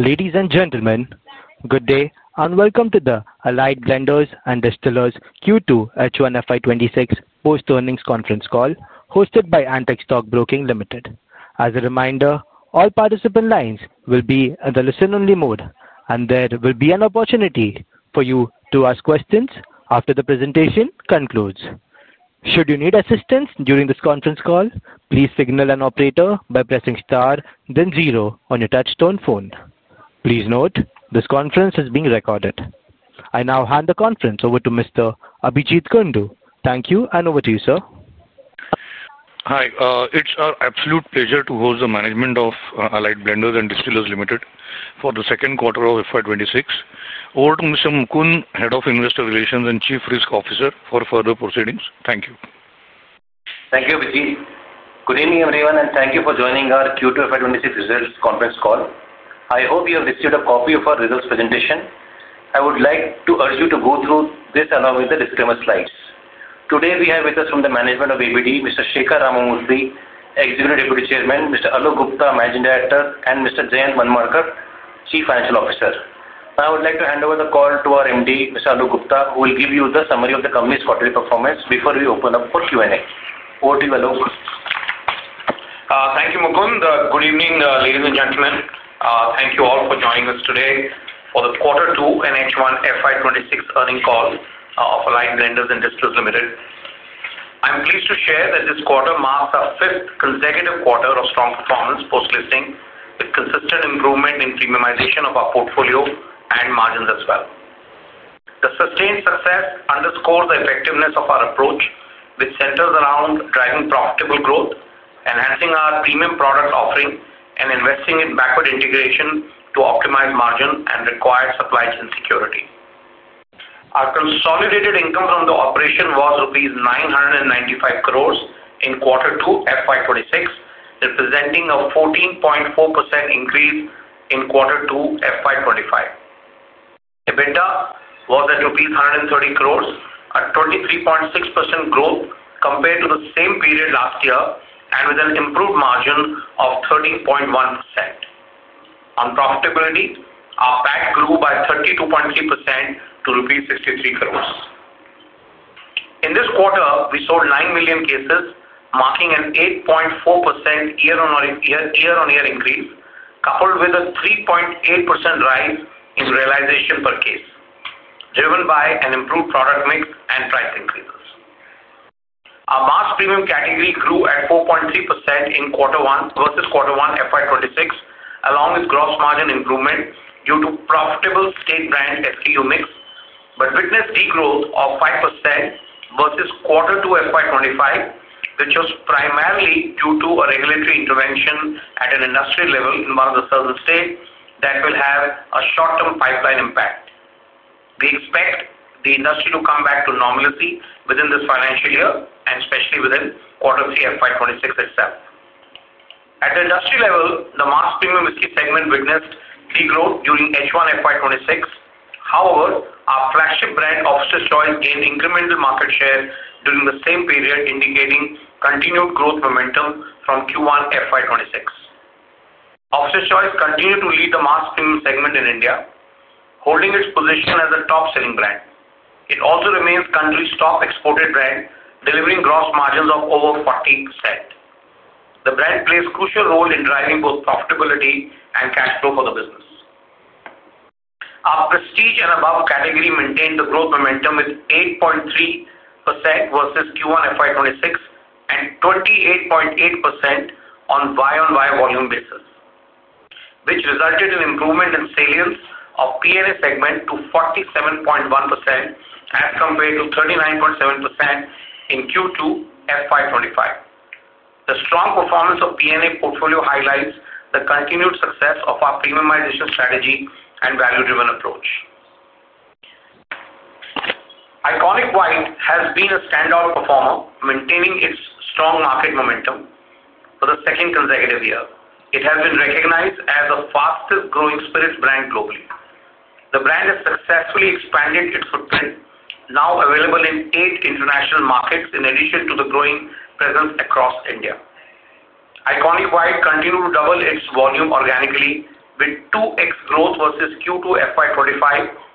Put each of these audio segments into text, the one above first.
Ladies and gentlemen, good day and welcome to the Allied Blenders and Distillers Q2 H1 FY26 post-earnings conference call hosted by Antique Stock Broking Ltd. As a reminder, all participant lines will be in the listen-only mode, and there will be an opportunity for you to ask questions after the presentation concludes. Should you need assistance during this conference call, please signal an operator by pressing star then zero on your touchstone phone. Please note, this conference is being recorded. I now hand the conference over to Mr. Abhijeet Kundu. Thank you, and over to you, sir. Hi, it's our absolute pleasure to host the management of Allied Blenders and Distillers Ltd for the second quarter of FY26. Over to Mr. Mukund, Head of Investor Relations and Chief Risk Officer, for further proceedings. Thank you. Thank you, Abhijeet. Good evening, everyone, and thank you for joining our Q2 FY26 results conference call. I hope you have received a copy of our results presentation. I would like to urge you to go through this along with the disclaimer slides. Today, we have with us from the management of ABD, Mr. Shekhar Ramamurthy, Executive Deputy Chairman, Mr. Alok Gupta, Managing Director, and Mr. Jayantt Manmadkar, Chief Financial Officer. Now, I would like to hand over the call to our MD, Mr. Alok Gupta, who will give you the summary of the company's quarterly performance before we open up for Q&A. Over to you, Alok. Thank you, Mukund. Good evening, ladies and gentlemen. Thank you all for joining us today for the Q2 and H1 FY26 earnings call of Allied Blenders and Distillers Ltd. I'm pleased to share that this quarter marks our fifth consecutive quarter of strong performance post-listing, with consistent improvement in premiumization of our portfolio and margins as well. The sustained success underscores the effectiveness of our approach, which centers around driving profitable growth, enhancing our premium product offering, and investing in backward integration to optimize margin and required supply chain security. Our consolidated income from the operation was rupees 995 crore in Q2 FY26, representing a 14.4% increase in Q2 FY25. EBITDA was 130 crore, a 23.6% growth compared to the same period last year, and with an improved margin of 13.1%. On profitability, our PAT grew by 32.3% to rupees 63 crore. In this quarter, we sold 9 million cases, marking an 8.4% year-on-year increase, coupled with a 3.8% rise in realization per case, driven by an improved product mix and price increases. Our Mass Premium category grew at 4.3% in Q1 versus Q1 FY26, along with gross margin improvement due to profitable state-brand SKU mix, but witnessed degrowth of 5% versus Q2 FY25, which was primarily due to regulatory intervention at an industry level in one of the southern states that will have a short-term pipeline impact. We expect the industry to come back to normalcy within this financial year, and especially within Q3 FY26 itself. At the industry level, the Mass Premium whiskey segment witnessed degrowth during H1 FY26. However, our flagship brand, Officer's Choice, gained incremental market share during the same period, indicating continued growth momentum from Q1 FY26. Officer's Choice continued to lead the mass premium segment in India, holding its position as a top-selling brand. It also remains the country's top exported brand, delivering gross margins of over 40%. The brand plays a crucial role in driving both profitability and cash flow for the business. Our Prestige and Above category maintained the growth momentum with 8.3% versus Q1 FY26 and 28.8% on buy-on-buy volume basis. Which resulted in improvement in salience of P&A segment to 47.1% as compared to 39.7% in Q2 FY25. The strong performance of P&A portfolio highlights the continued success of our premiumization strategy and value-driven approach. ICONiQ White has been a standout performer, maintaining its strong market momentum for the second consecutive year. It has been recognized as the fastest-growing spirits brand globally. The brand has successfully expanded its footprint, now available in eight international markets, in addition to the growing presence across India. ICONiQ White continued to double its volume organically, with 2x growth versus Q2 FY25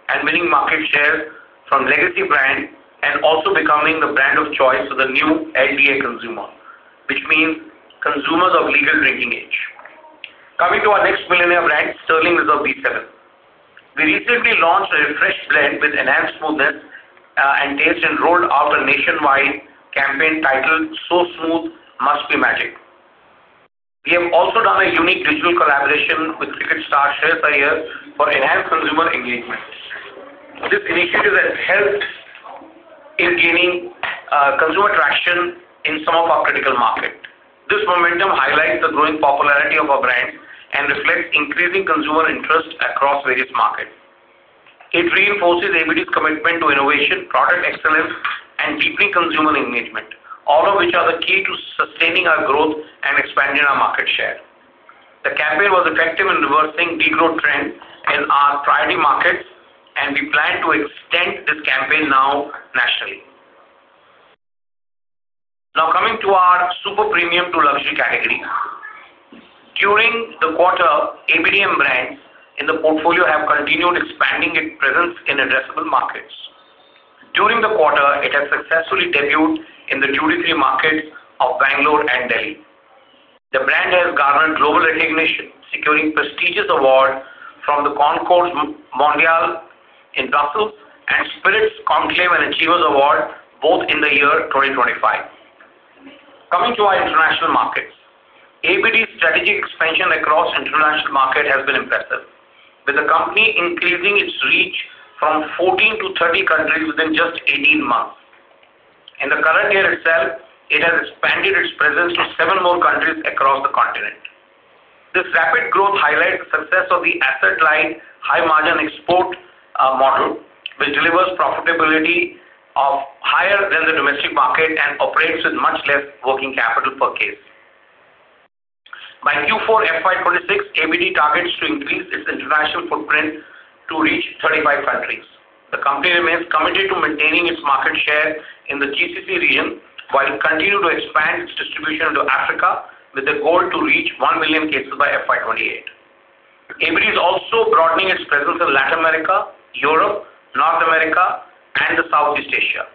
and winning market shares from legacy brands, and also becoming the brand of choice for the new LDA consumer, which means consumers of legal drinking age. Coming to our next millennial brand, Sterling Reserve B7. We recently launched a refreshed blend with enhanced smoothness and taste and rolled out a nationwide campaign titled, "So Smooth, Must Be Magic." We have also done a unique digital collaboration with cricket star Shreyas Iyer for enhanced consumer engagement. This initiative has helped. In gaining consumer traction in some of our critical markets. This momentum highlights the growing popularity of our brand and reflects increasing consumer interest across various markets. It reinforces ABD's commitment to innovation, product excellence, and deepening consumer engagement, all of which are the key to sustaining our growth and expanding our market share. The campaign was effective in reversing degrowth trends in our priority markets, and we plan to extend this campaign now nationally. Now, coming to our Super-Premium to Luxury category. During the quarter, ABDM brands in the portfolio have continued expanding its presence in addressable markets. During the quarter, it has successfully debuted in the Duty Free markets of Bangalore and Delhi. The brand has garnered global recognition, securing prestigious awards from the Concours Mondial in Brussels and Spiritz Conclave & Achievers' Award, both in the year 2025. Coming to our international markets, ABD's strategic expansion across international markets has been impressive, with the company increasing its reach from 14 to 30 countries within just 18 months. In the current year itself, it has expanded its presence to seven more countries across the continent. This rapid growth highlights the success of the asset-light, high-margin export model, which delivers profitability higher than the domestic market and operates with much less working capital per case. By Q4 FY26, ABD targets to increase its international footprint to reach 35 countries. The company remains committed to maintaining its market share in the GCC region while continuing to expand its distribution into Africa, with the goal to reach 1 million cases by FY28. ABD is also broadening its presence in Latin America, Europe, North America, and Southeast Asia.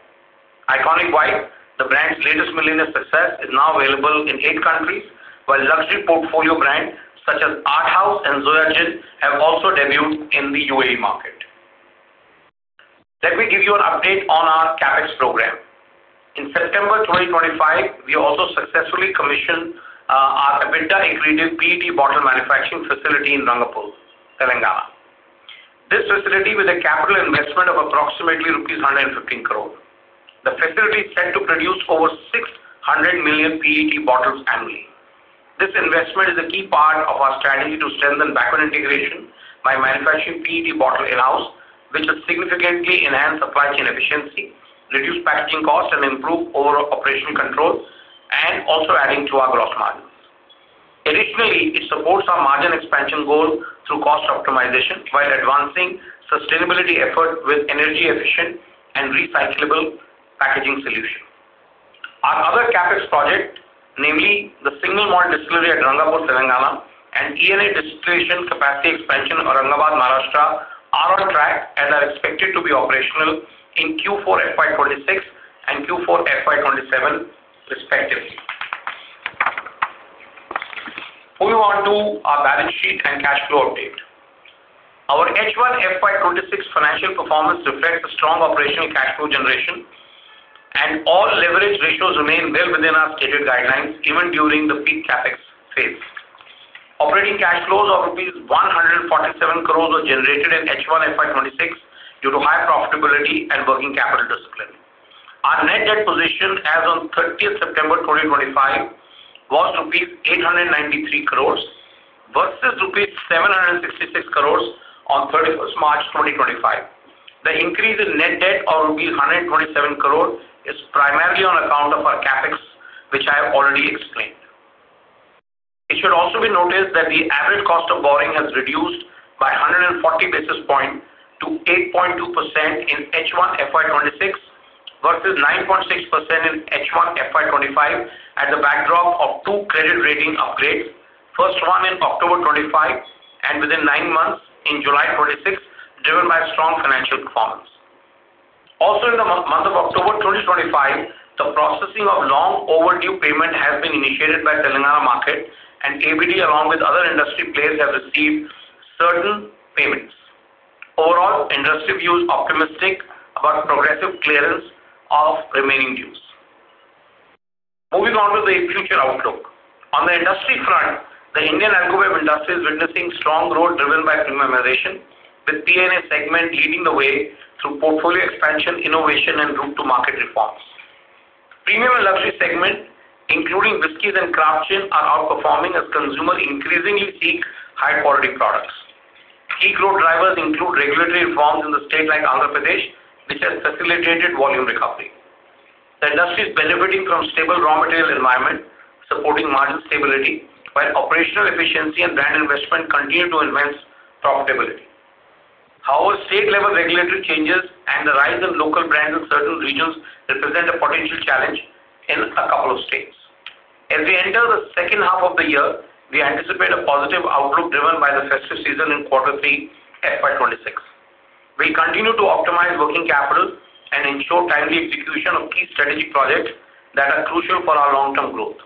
ICONiQ White, the brand's latest millennial success, is now available in eight countries, while luxury portfolio brands such as Arthaus and Zoya Gin have also debuted in the U.A.E. market. Let me give you an update on our CapEx program. In September 2025, we also successfully commissioned our EBITDA-accretive PET bottle manufacturing facility in Rangapur, Telangana. This facility has a capital investment of approximately rupees 115 crore. The facility is set to produce over 600 million PET bottles annually. This investment is a key part of our strategy to strengthen backward integration by manufacturing PET bottles in-house, which has significantly enhanced supply chain efficiency, reduced packaging costs, and improved overall operational control, also adding to our gross margin. Additionally, it supports our margin expansion goal through cost optimization while advancing sustainability efforts with energy-efficient and recyclable packaging solutions. Our other CapEx projects, namely the single malt distillery at Rangapur, Telangana, and ENA distillation capacity expansion in Aurangabad, Maharashtra, are on track and are expected to be operational in Q4 FY26 and Q4 FY27, respectively. Moving on to our balance sheet and cash flow update. Our H1 FY26 financial performance reflects a strong operational cash flow generation, and all leverage ratios remain well within our stated guidelines, even during the peak CapEx phase. Operating cash flows of rupees 147 crore were generated in H1 FY26 due to high profitability and working capital discipline. Our net debt position, as of 30th September 2025, was rupees 893 crore versus rupees 766 crore on 31st March 2025. The increase in net debt of rupees 127 crore is primarily on account of our CapEx, which I have already explained. It should also be noted that the average cost of borrowing has reduced by 140 basis points to 8.2% in H1 FY26 versus 9.6% in H1 FY25, at the backdrop of two credit rating upgrades, first one in October 2025 and within nine months in July 2026, driven by strong financial performance. Also, in the month of October 2025, the processing of long overdue payments has been initiated by the Telangana market, and ABD, along with other industry players, have received certain payments. Overall, industry views are optimistic about progressive clearance of remaining dues. Moving on to the future outlook. On the industry front, the Indian alcohol industry is witnessing strong growth driven by premiumization, with the P&A segment leading the way through portfolio expansion, innovation, and route-to-market reforms. Premium and Luxury segments, including whiskeys and craft gin, are outperforming as consumers increasingly seek high-quality products. Key growth drivers include regulatory reforms in the states like Andhra Pradesh, which have facilitated volume recovery. The industry is benefiting from a stable raw material environment, supporting margin stability, while operational efficiency and brand investment continue to enhance profitability. However, state-level regulatory changes and the rise in local brands in certain regions represent a potential challenge in a couple of states. As we enter the second half of the year, we anticipate a positive outlook driven by the festive season in Q3 FY26. We continue to optimize working capital and ensure timely execution of key strategic projects that are crucial for our long-term growth.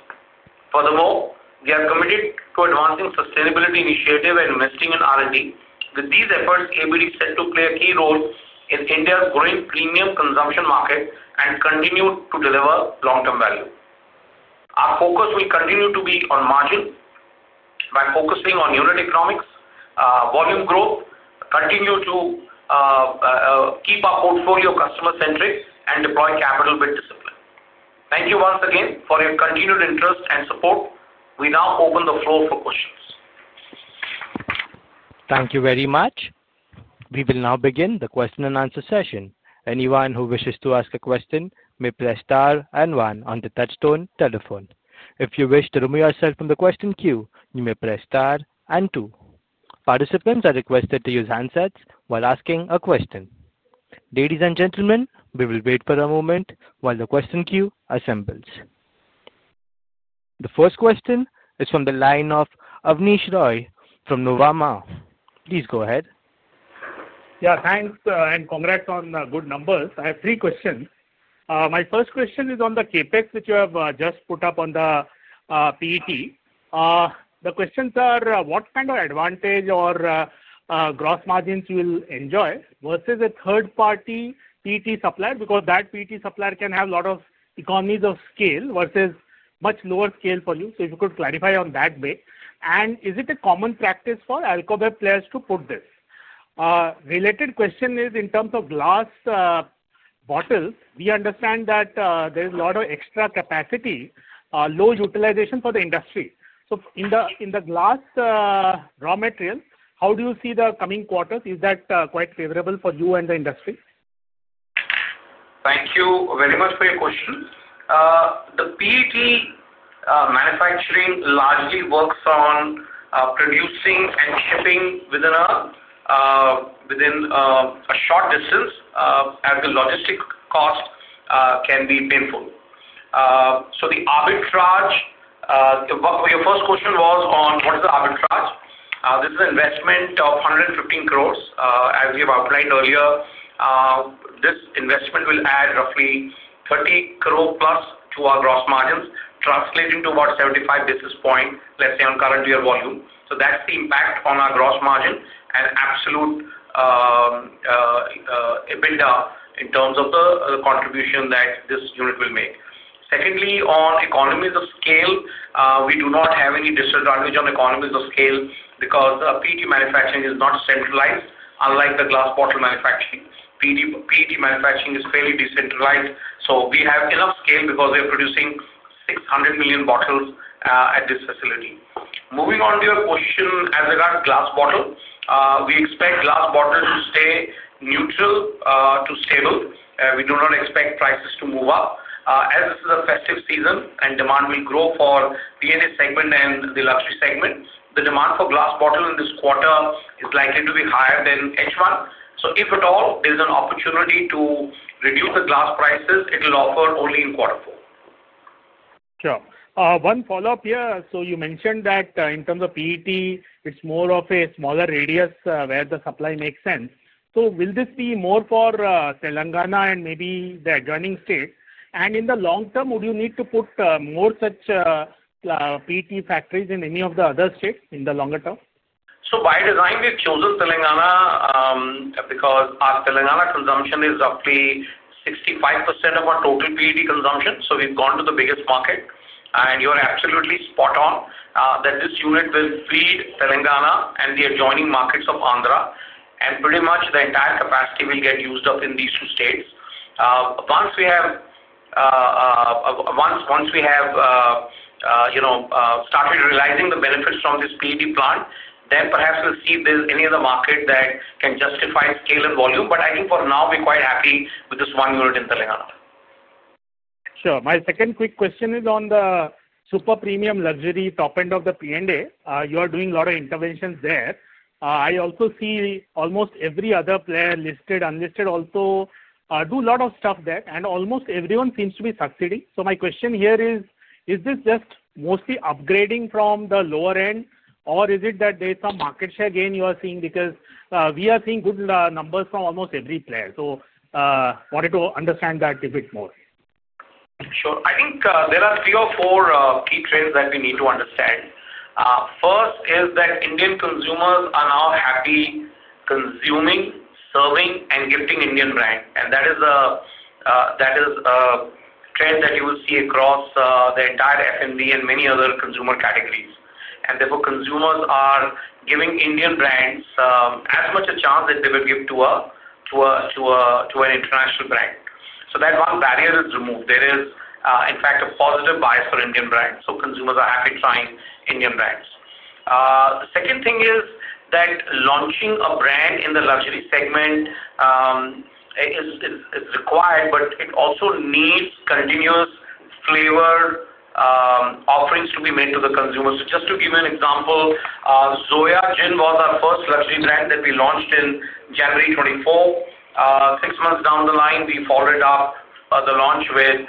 Furthermore, we are committed to advancing sustainability initiatives and investing in R&D. With these efforts, ABD is set to play a key role in India's growing premium consumption market and continue to deliver long-term value. Our focus will continue to be on margin. By focusing on unit economics, volume growth, we continue to. Keep our portfolio customer-centric and deploy capital with discipline. Thank you once again for your continued interest and support. We now open the floor for questions. Thank you very much. We will now begin the question-and-answer session. Anyone who wishes to ask a question may press star and one on the touchstone telephone. If you wish to remove yourself from the question queue, you may press star and two. Participants are requested to use handsets while asking a question. Ladies and gentlemen, we will wait for a moment while the question queue assembles. The first question is from the line of Abneesh Roy from Nuvama. Please go ahead. Yeah, thanks, and congrats on good numbers. I have three questions. My first question is on the CapEx, which you have just put up on the. PET. The questions are, what kind of advantage or. Gross margins you will enjoy versus a third-party PET supplier? Because that PET supplier can have a lot of economies of scale versus much lower scale for you. So if you could clarify on that way. And is it a common practice for alcohol beverage players to put this? Related question is, in terms of glass. Bottles, we understand that there is a lot of extra capacity, low utilization for the industry. So in the glass. Raw material, how do you see the coming quarters? Is that quite favorable for you and the industry? Thank you very much for your question. The PET. Manufacturing largely works on. Producing and shipping within. A short distance, as the logistic cost can be painful. So the arbitrage. Your first question was on what is the arbitrage. This is an investment of 115 crore. As we have outlined earlier. This investment will add roughly 30 crore plus to our gross margins, translating to about 75 basis points, let's say, on current year volume. So that's the impact on our gross margin and absolute. EBITDA in terms of the contribution that this unit will make. Secondly, on economies of scale, we do not have any disadvantage on economies of scale because PET manufacturing is not centralized, unlike the glass bottle manufacturing. PET manufacturing is fairly decentralized. So we have enough scale because we are producing 600 million bottles at this facility. Moving on to your question as regards to glass bottle, we expect glass bottles to stay neutral to stable. We do not expect prices to move up. As this is a festive season and demand will grow for the P&A segment and the luxury segment, the demand for glass bottles in this quarter is likely to be higher than H1. So if at all, there is an opportunity to reduce the glass prices, it will offer only in Q4. Sure. One follow-up here. So you mentioned that in terms of PET, it's more of a smaller radius where the supply makes sense. So will this be more for Telangana and maybe the adjoining states? And in the long term, would you need to put more such. PET factories in any of the other states in the longer term? So by design, we've chosen Telangana. Because our Telangana consumption is roughly 65% of our total PET consumption. So we've gone to the biggest market. And you are absolutely spot on that this unit will feed Telangana and the adjoining markets of Andhra. And pretty much the entire capacity will get used up in these two states. Once we have. Started realizing the benefits from this PET plant, then perhaps we'll see if there's any other market that can justify scale and volume. But I think for now, we're quite happy with this one unit in Telangana. Sure. My second quick question is on the super premium luxury top end of the P&A. You are doing a lot of interventions there. I also see almost every other player listed, unlisted also, do a lot of stuff there. And almost everyone seems to be succeeding. So my question here is, is this just mostly upgrading from the lower end, or is it that there is some market share gain you are seeing? Because we are seeing good numbers from almost every player. So wanted to understand that a bit more. Sure. I think there are three or four key trends that we need to understand. First is that Indian consumers are now happy consuming, serving, and gifting Indian brand. And that is. A trend that you will see across the entire F&D and many other consumer categories. And therefore, consumers are giving Indian brands as much a chance as they would give to. An international brand. So that one barrier is removed. There is, in fact, a positive bias for Indian brands. So consumers are happy trying Indian brands. The second thing is that launching a brand in the luxury segment. Is required, but it also needs continuous flavor. Offerings to be made to the consumers. So just to give you an example, Zoya Gin was our first luxury brand that we launched in January 2024. Six months down the line, we followed up the launch with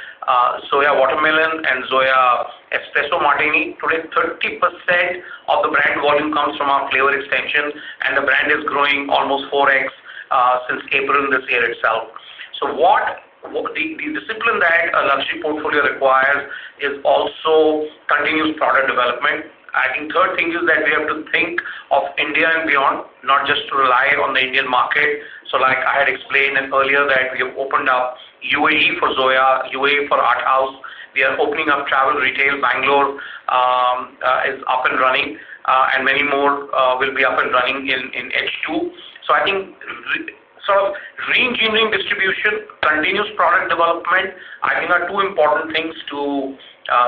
Zoya Watermelon and Zoya Espresso Martini. Today, 30% of the brand volume comes from our flavor extension, and the brand is growing almost 4x since April this year itself. So. The discipline that a luxury portfolio requires is also continuous product development. I think the third thing is that we have to think of India and beyond, not just to rely on the Indian market. So like I had explained earlier that we have opened up U.A.E. for Zoya, U.A.E. for Arthaus. We are opening up travel retail. Bangalore. Is up and running, and many more will be up and running in H2. So I think. Sort of re-engineering distribution, continuous product development, I think, are two important things to.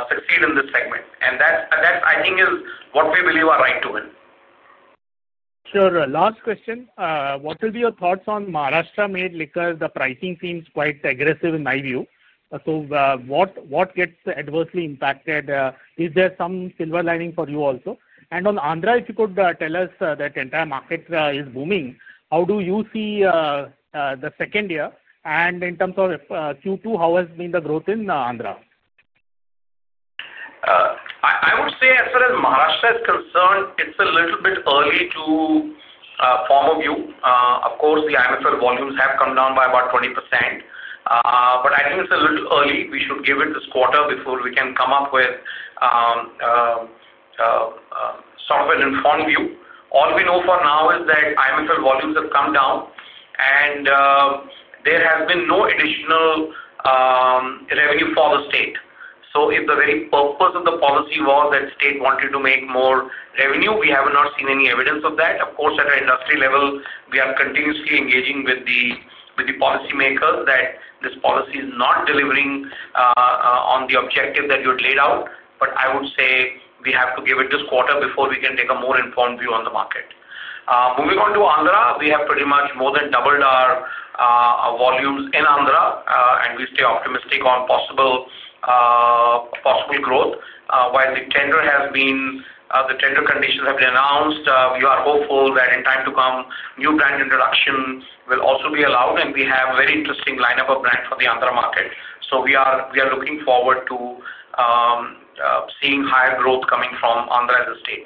Succeed in this segment. And that, I think, is what we believe our right to win. Sure. Last question. What will be your thoughts on Maharashtra-made liquors? The pricing seems quite aggressive in my view. So what gets adversely impacted? Is there some silver lining for you also? And on Andhra, if you could tell us that the entire market is booming, how do you see. The second year? And in terms of Q2, how has been the growth in Andhra? I would say, as far as Maharashtra is concerned, it's a little bit early to. Form a view. Of course, the IMFL volumes have come down by about 20%. But I think it's a little early. We should give it this quarter before we can come up with. Sort of an informed view. All we know for now is that IMFL volumes have come down, and. There has been no additional. Revenue for the state. So if the very purpose of the policy was that the state wanted to make more revenue, we have not seen any evidence of that. Of course, at an industry level, we are continuously engaging with the. Policymakers that this policy is not delivering. On the objective that you had laid out. But I would say we have to give it this quarter before we can take a more informed view on the market. Moving on to Andhra, we have pretty much more than doubled our. Volumes in Andhra, and we stay optimistic on possible. Growth. While the tender conditions have been announced, we are hopeful that in time to come, new brand introduction will also be allowed. And we have a very interesting lineup of brands for the Andhra market. So we are looking forward to. Seeing higher growth coming from Andhra as a state.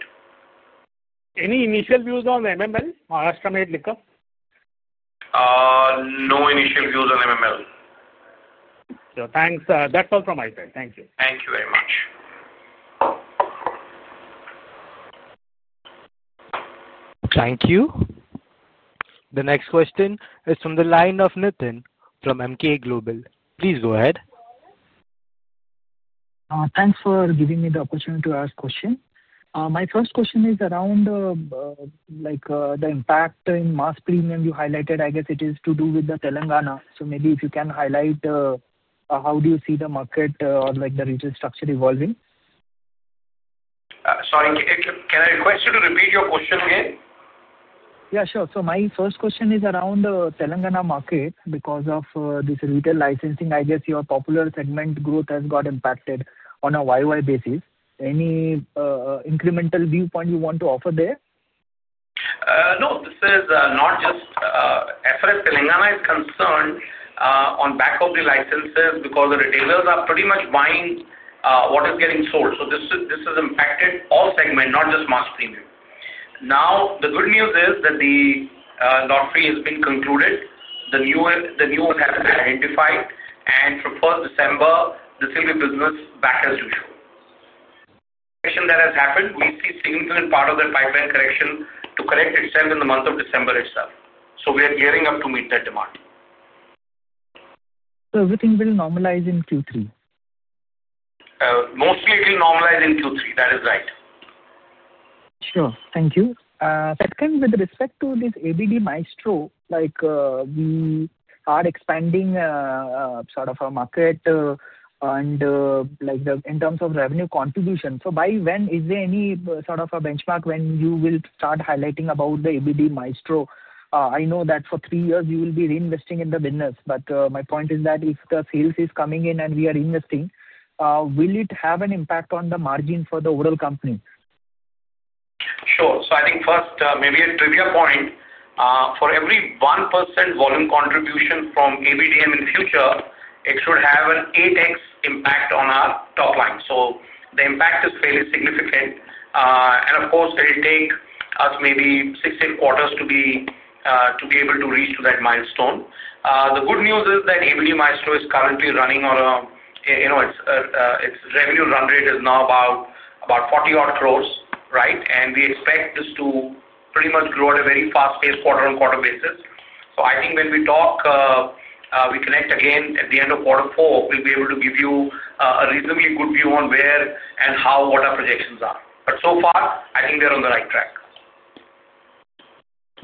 Any initial views on MML, Maharashtra-made liquor? No initial views on MML. Sure. Thanks. That's all from my side. Thank you. Thank you very much. Thank you. The next question is from the line of Nitin from Emkay Global.Please go ahead. Thanks for giving me the opportunity to ask questions. My first question is around. The impact in Mass Premium you highlighted. I guess it is to do with the Telangana. So maybe if you can highlight. How do you see the market or the retail structure evolving? Sorry. Can I request you to repeat your question again? Yeah, sure. So my first question is around the Telangana market. Because of this retail licensing, I guess your popular segment growth has got impacted on a YoY basis. Any incremental viewpoint you want to offer there? No. This is not just. As far as Telangana is concerned. On back of the licenses, because the retailers are pretty much buying what is getting sold. So this has impacted all segments, not just Mass Premium. Now, the good news is that the. Lottery has been concluded. The new one has been identified. And from 1st December, this will be business back as usual. The correction that has happened, we see a significant part of the pipeline correction to correct itself in the month of December itself. So we are gearing up to meet that demand. So everything will normalize in Q3? Mostly, it will normalize in Q3. That is right. Sure. Thank you. Second, with respect to this ABD Maestro. We are expanding. Sort of our market. And. In terms of revenue contribution. So by when? Is there any sort of a benchmark when you will start highlighting about the ABD Maestro? I know that for three years, you will be reinvesting in the business. But my point is that if the sales is coming in and we are investing, will it have an impact on the margin for the overall company? Sure. So I think first, maybe a trivia point. For every 1% volume contribution from ABDM in the future, it should have an 8x impact on our top line. So the impact is fairly significant. And of course, it will take us maybe six to eight quarters to be able to reach that milestone. The good news is that ABD Maestro is currently running on a—its revenue run rate is now about 40-odd crores, right? And we expect this to pretty much grow at a very fast-paced quarter-on-quarter basis. So I think when we talk. We connect again at the end of Q4, we'll be able to give you a reasonably good view on where and how what our projections are. But so far, I think we are on the right track.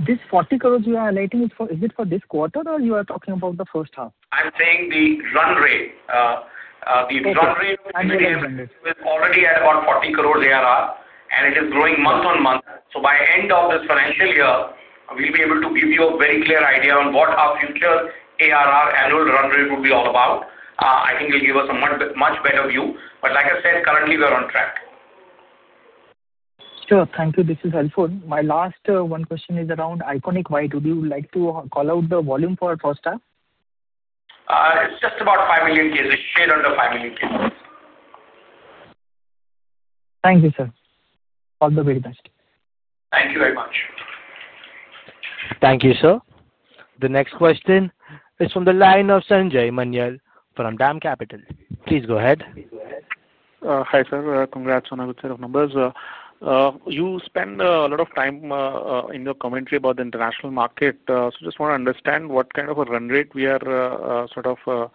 This 40 crore you are highlighting, is it for this quarter, or you are talking about the first half? I'm saying the run rate. The run rate of ABDM is already at about 40 crore ARR, and it is growing month on month. So by the end of this financial year, we'll be able to give you a very clear idea on what our future ARR annual run rate would be all about. I think it'll give us a much better view. But like I said, currently, we are on track. Sure. Thank you. This is helpful. My last one question is around ICONiQ White. Would you like to call out the volume for first half? It's just about 5 million cases. It's shared under 5 million cases. Thank you, sir. All the very best. Thank you very much. Thank you, sir. The next question is from the line of Sanjay Manyal from DAM Capital. Please go ahead. Hi, sir. Congrats on a good set of numbers. You spend a lot of time in your commentary about the international market. So I just want to understand what kind of a run rate we are sort of.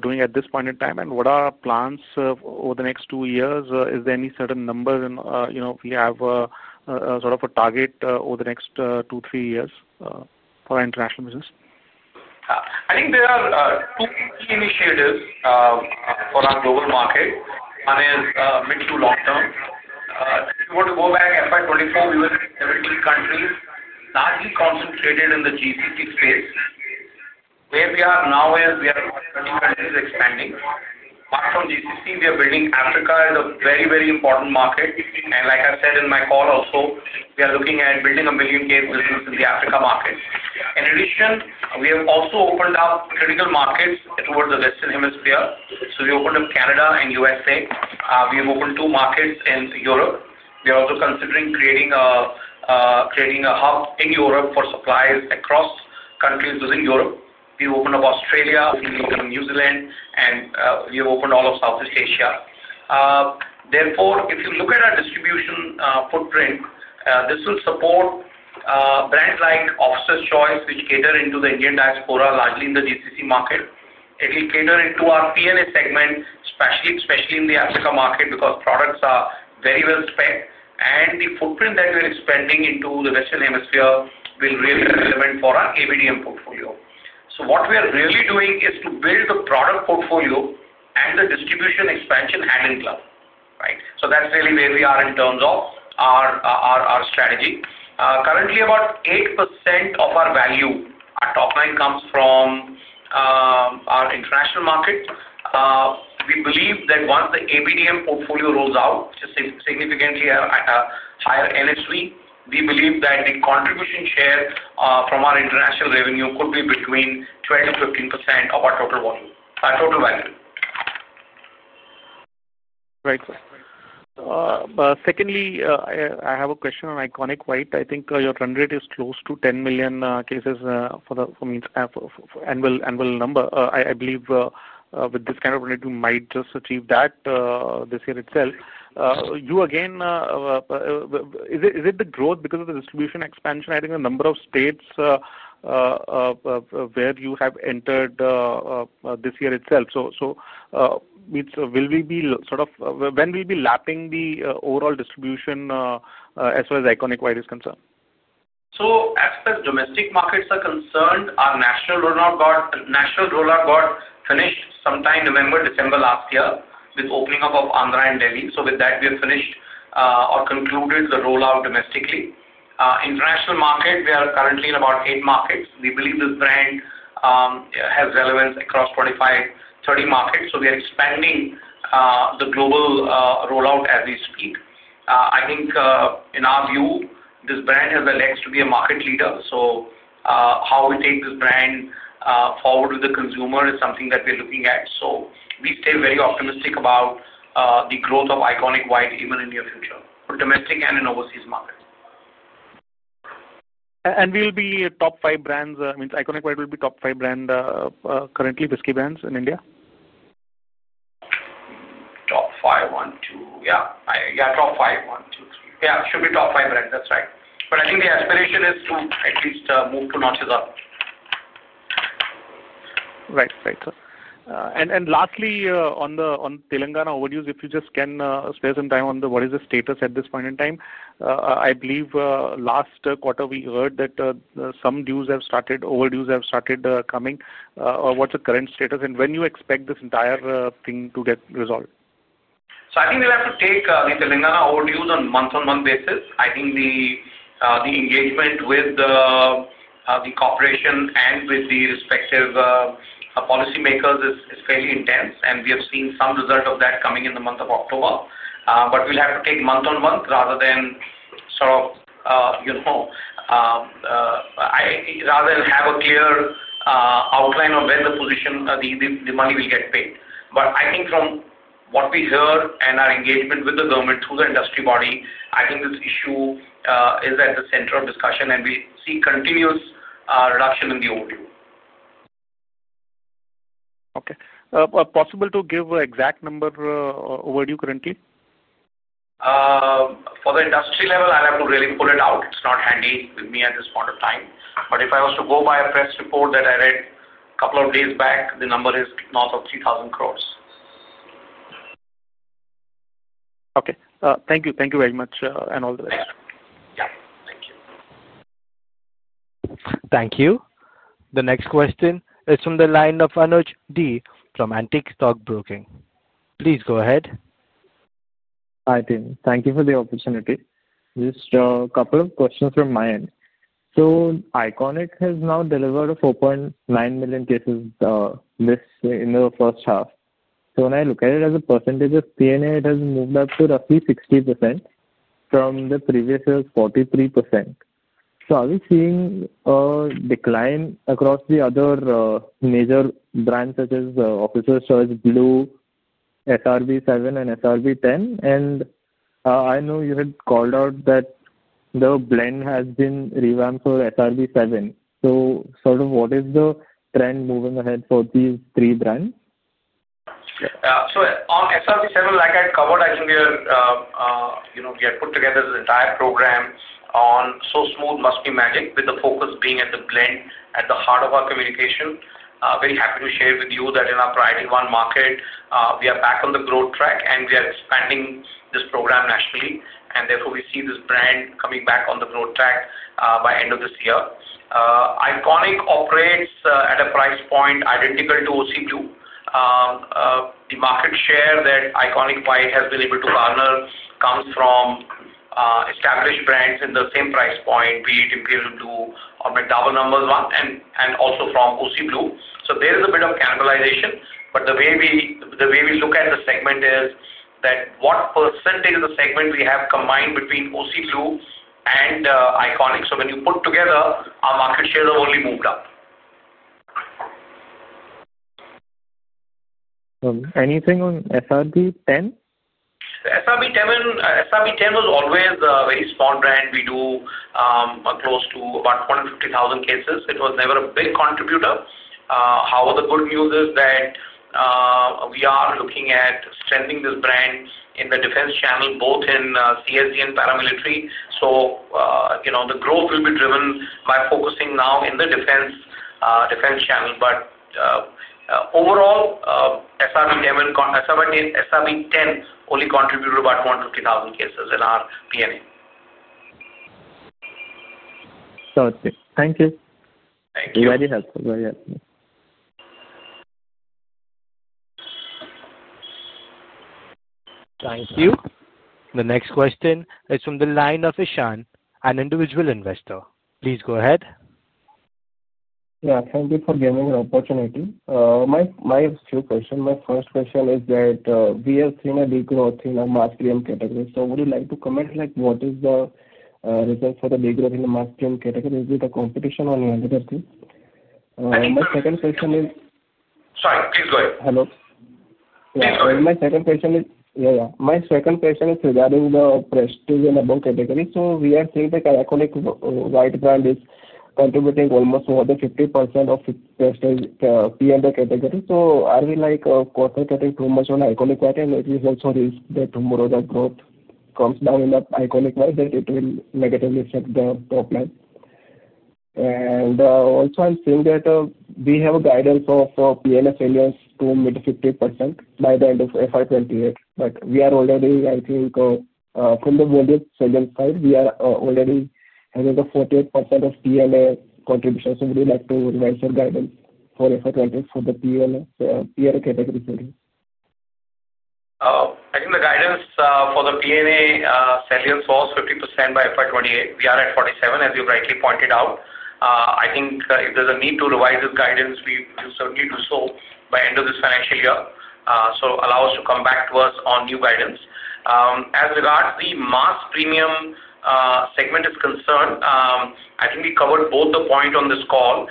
Doing at this point in time and what are our plans over the next two years? Is there any certain number if we have. Sort of a target over the next two, three years for our international business? I think there are two key initiatives for our global market. One is mid to long term. If you were to go back, FY24, we were in 17 countries, largely concentrated in the GCC space. Where we are now is we are 30 countries expanding. Apart from GCC, we are building Africa as a very, very important market. And like I said in my call also, we are looking at building a million cases business in the Africa market. In addition, we have also opened up critical markets towards the Western Hemisphere. So we opened up Canada and U.S.A. We have opened two markets in Europe. We are also considering creating. A hub in Europe for supplies across countries within Europe. We've opened up Australia, New Zealand, and we have opened all of Southeast Asia. Therefore, if you look at our distribution footprint, this will support. Brands like Officer's Choice, which cater into the Indian diaspora, largely in the GCC market. It will cater into our P&A segment, especially in the Africa market, because products are very well spent. And the footprint that we are expanding into the Western Hemisphere will really be relevant for our ABDM portfolio. So what we are really doing is to build a product portfolio and the distribution expansion hand in glove, right? So that's really where we are in terms of. Our strategy. Currently, about 8% of our value, our top line, comes from. Our international market. We believe that once the ABDM portfolio rolls out, which is significantly at a higher NSV, we believe that the contribution share from our international revenue could be between 12%-15% of our total value. Great. Secondly, I have a question on ICONiQ White. I think your run rate is close to 10 million cases for the annual number. I believe with this kind of run rate, you might just achieve that this year itself. You, again. Is it the growth because of the distribution expansion? I think the number of states. Where you have entered. This year itself. So. Will we be sort of when will we be lapping the overall distribution. As far as ICONiQ White is concerned? So as per domestic markets are concerned, our national rollout got finished sometime November, December last year with opening up of Andhra and Delhi. So with that, we have finished or concluded the rollout domestically. International market, we are currently in about eight markets. We believe this brand. Has relevance across 25, 30 markets. So we are expanding the global rollout as we speak. I think in our view, this brand has a legs to be a market leader. So. How we take this brand forward with the consumer is something that we are looking at. So we stay very optimistic about the growth of iconic Y even in the near future, for domestic and in overseas markets. And we'll be top five brands. I mean, ICONiQ White will be top five brand currently, whiskey brands in India? Top five, one, two. Yeah. Yeah, top five, one, two, three. Yeah. It should be top five brands. That's right. But I think the aspiration is to at least move two notches up. Right. Right. And lastly, on Telangana overdues, if you just can spare some time on what is the status at this point in time, I believe last quarter we heard that some overdues have started coming. What's the current status? And when do you expect this entire thing to get resolved? So I think we'll have to take the Telangana overdues on a month-on-month basis. I think the. Engagement with. The corporation and with the respective. Policymakers is fairly intense. And we have seen some result of that coming in the month of October. But we'll have to take month-on-month rather than sort of. Rather than have a clear. Outline on when the position, the money will get paid. But I think from what we heard and our engagement with the government through the industry body, I think this issue is at the center of discussion, and we see continuous reduction in the overdue. Okay. Possible to give an exact number. Overdue currently? For the industry level, I'll have to really pull it out. It's not handy with me at this point of time. But if I was to go by a press report that I read a couple of days back, the number is north of 3,000 crore. Okay. Thank you. Thank you very much and all the best. Yeah. Thank you. Thank you. The next question is from the line of Anuj D from Antique Stock Broking. Please go ahead. Hi, Tim. Thank you for the opportunity. Just a couple of questions from my end. So ICONiQ has now delivered 4.9 million cases. In the first half. So when I look at it as a percentage of P&A, it has moved up to roughly 60% from the previous 43%. So are we seeing a decline across the other. Major brands such as Officer's Choice Blue, SRB7, and SRB10? And. I know you had called out that the blend has been revamped for SRB7. So sort of what is the trend moving ahead for these three brands? So on SRB7, like I had covered, I think we are. We have put together the entire program on "So Smooth, Must Be Magic", with the focus being at the blend at the heart of our communication. Very happy to share with you that in our priority one market, we are back on the growth track, and we are expanding this program nationally. And therefore, we see this brand coming back on the growth track by the end of this year. ICONiQ operates at a price point identical to OC Blue. The market share that ICONiQ White has been able to garner comes from. Established brands in the same price point, be it Imperial Blue or McDowell's No.1, and also from OC Blue. So there is a bit of cannibalization. But the way we look at the segment is that what percentage of the segment we have combined between OC Blue and ICONiQ. So when you put together, our market shares have only moved up. Anything on SRB10? SRB10 was always a very strong brand. We do. Close to about 250,000 cases. It was never a big contributor. However, the good news is that. We are looking at strengthening this brand in the defense channel, both in CSG and paramilitary. So. The growth will be driven by focusing now in the defense. Channel. But. Overall. SRB10 only contributed about 250,000 cases in our P&A. Sounds good. Thank you. Thank you. Very helpful. Very helpful. Thank you. The next question is from the line of Ishan, an individual investor. Please go ahead. Yeah. Thank you for giving an opportunity. My few questions. My first question is that we have seen a degrowth in our Mass Premium category. So would you like to comment what is the. Reason for the degrowth in the Mass Premium category? Is it the competition or any other thing? My second question is— Sorry. Please go ahead. Hello? Please go ahead. My second question is—yeah, yeah. My second question is regarding the Prestige & Above category. So we are seeing that ICONiQ White brand is contributing almost more than 50% of prestige P&A category. So are we quarter cutting too much on ICONiQ White? And it is also risk that tomorrow the growth comes down in the ICONiQ White, that it will negatively affect the top line. And also, I'm seeing that we have a guidance of P&A failures to mid to 50% by the end of FY28. But we are already, I think. From the volume failure side, we are already having a 48% of P&A contribution. So would you like to revise your guidance for FY28 for the P&A category failure? I think the guidance for the P&A failures was 50% by FY28. We are at 47%, as you rightly pointed out. I think if there's a need to revise this guidance, we will certainly do so by the end of this financial year. So allow us to come back to us on new guidance. As regards the Mass Premium. Segment is concerned, I think we covered both the point on this call.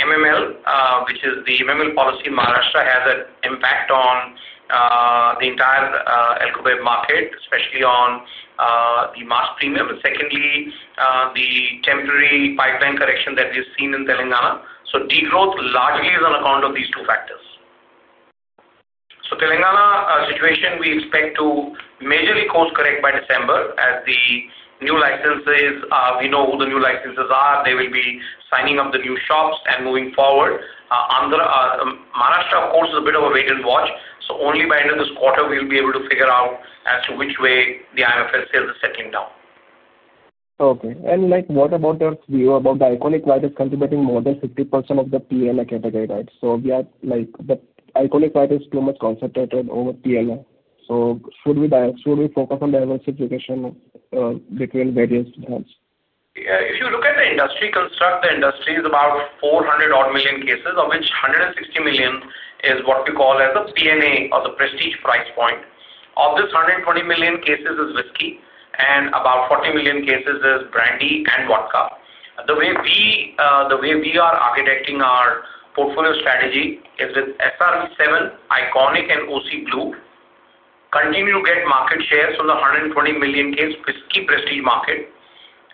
MML, which is the MML policy in Maharashtra, has an impact on. The entire alcobev market, especially on. The mass premium. Secondly, the temporary pipeline correction that we have seen in Telangana. So degrowth largely is on account of these two factors. So Telangana situation, we expect to majorly course-correct by December as the new licenses—we know who the new licenses are—they will be signing up the new shops and moving forward. Maharashtra, of course, is a bit of a wait and watch. So only by the end of this quarter, we'll be able to figure out as to which way the IMFL sales are settling down. Okay. And what about your view about the ICONiQ White that's contributing more than 50% of the P&A category, right? So we have the ICONiQ White that's too much concentrated over P&A. So should we focus on diversification. Between various brands? If you look at the industry, construct the industry is about 400-odd million cases, of which 160 million is what we call as the P&A or the prestige price point. Of this 120 million cases is whiskey, and about 40 million cases is brandy and vodka. The way we are architecting our portfolio strategy is with SRB7, iconic, and OC Blue. Continue to get market shares from the 120 million case whiskey prestige market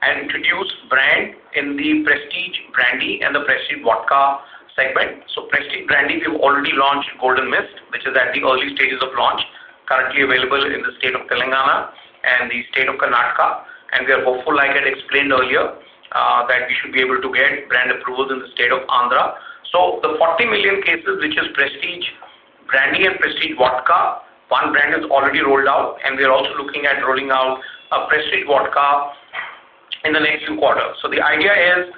and introduce brand in the prestige brandy and the prestige vodka segment. So prestige brandy, we have already launched Golden Mist, which is at the early stages of launch, currently available in the state of Telangana and the state of Karnataka. And we are hopeful, like I had explained earlier, that we should be able to get brand approvals in the state of Andhra. So the 40 million cases, which is prestige brandy and prestige vodka, one brand is already rolled out. And we are also looking at rolling out a prestige vodka. In the next few quarters. So the idea is.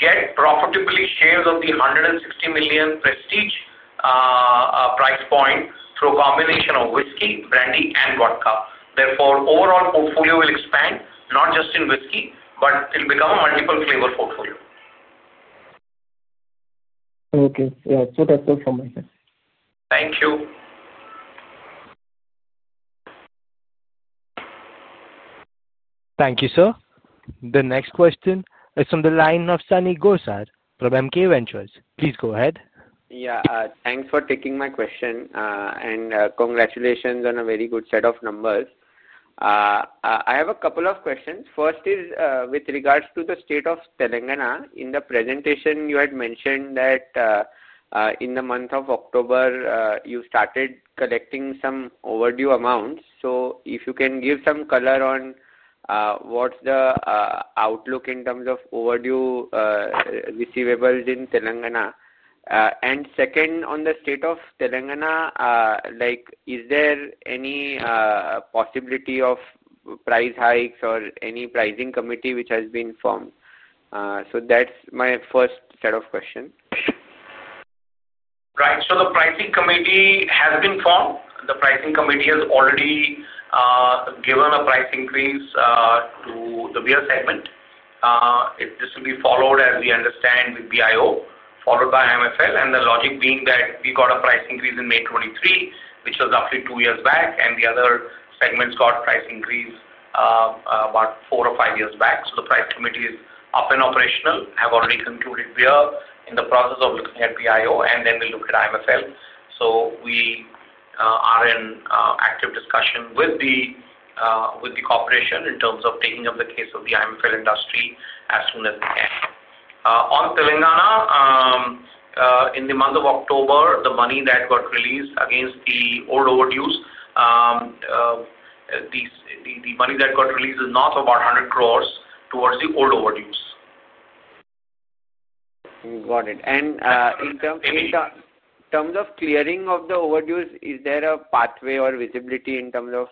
Get profitably shares of the 160 million prestige. Price point through a combination of whiskey, brandy, and vodka. Therefore, overall portfolio will expand, not just in whiskey, but it'll become a multiple flavor portfolio. Okay. Yeah. That's all from my side. Thank you. Thank you, sir. The next question is from the line of Sunny Gosar from MK Ventures. Please go ahead. Yeah. Thanks for taking my question. And congratulations on a very good set of numbers. I have a couple of questions. First is with regards to the state of Telangana. In the presentation, you had mentioned that. In the month of October, you started collecting some overdue amounts. So if you can give some color on. What's the outlook in terms of overdue. Receivables in Telangana. And second, on the state of Telangana. Is there any possibility of price hikes or any pricing committee which has been formed? So that's my first set of questions. Right. So the pricing committee has been formed. The pricing committee has already. Given a price increase to the beer segment. This will be followed, as we understand, with BIO, followed by IMFL. And the logic being that we got a price increase in May 2023, which was roughly two years back. And the other segments got price increase. About four or five years back. So the price committee is up and operational, have already concluded beer, in the process of looking at BIO, and then we'll look at IMFL. So we. Are in active discussion with the. Corporation in terms of taking up the case of the IMFL industry as soon as we can. On Telangana. In the month of October, the money that got released against the old overdues. The money that got released is north of about 100 crore towards the old overdues. Got it. And in terms of. Clearing of the overdues, is there a pathway or visibility in terms of.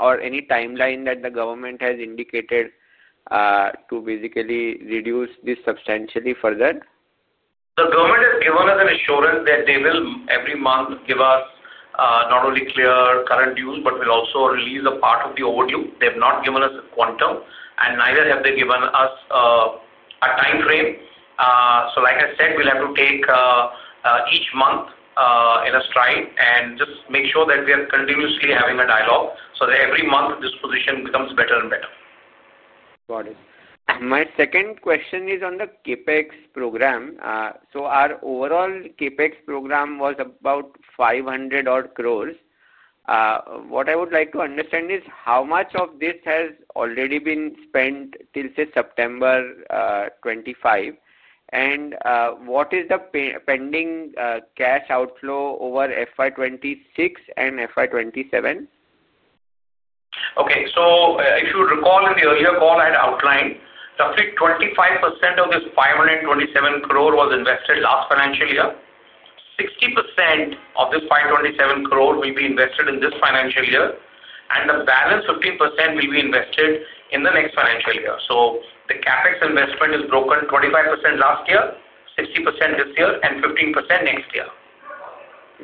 Or any timeline that the government has indicated. To basically reduce this substantially further? The government has given us an assurance that they will, every month, give us not only clear current dues, but will also release a part of the overdue. They have not given us a quantum, and neither have they given us. A timeframe. So like I said, we'll have to take. Each month in a stride and just make sure that we are continuously having a dialogue so that every month this position becomes better and better. Got it. My second question is on the CapEx program. So our overall CapEx program was about 500-odd crores. What I would like to understand is how much of this has already been spent till, say, September 2025? And what is the pending cash outflow over FY26 and FY27? Okay. So if you recall in the earlier call, I had outlined roughly 25% of this 527 crore was invested last financial year. 60% of this 527 crore will be invested in this financial year, and the balance 15% will be invested in the next financial year. So the CapEx investment is broken 25% last year, 60% this year, and 15% next year.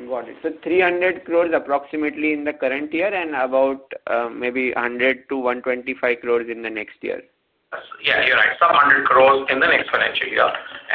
Got it. So 300 crore approximately in the current year and about maybe 100 crore-125 crore in the next year. Yeah. You're right. Some 100 crore in the next financial year.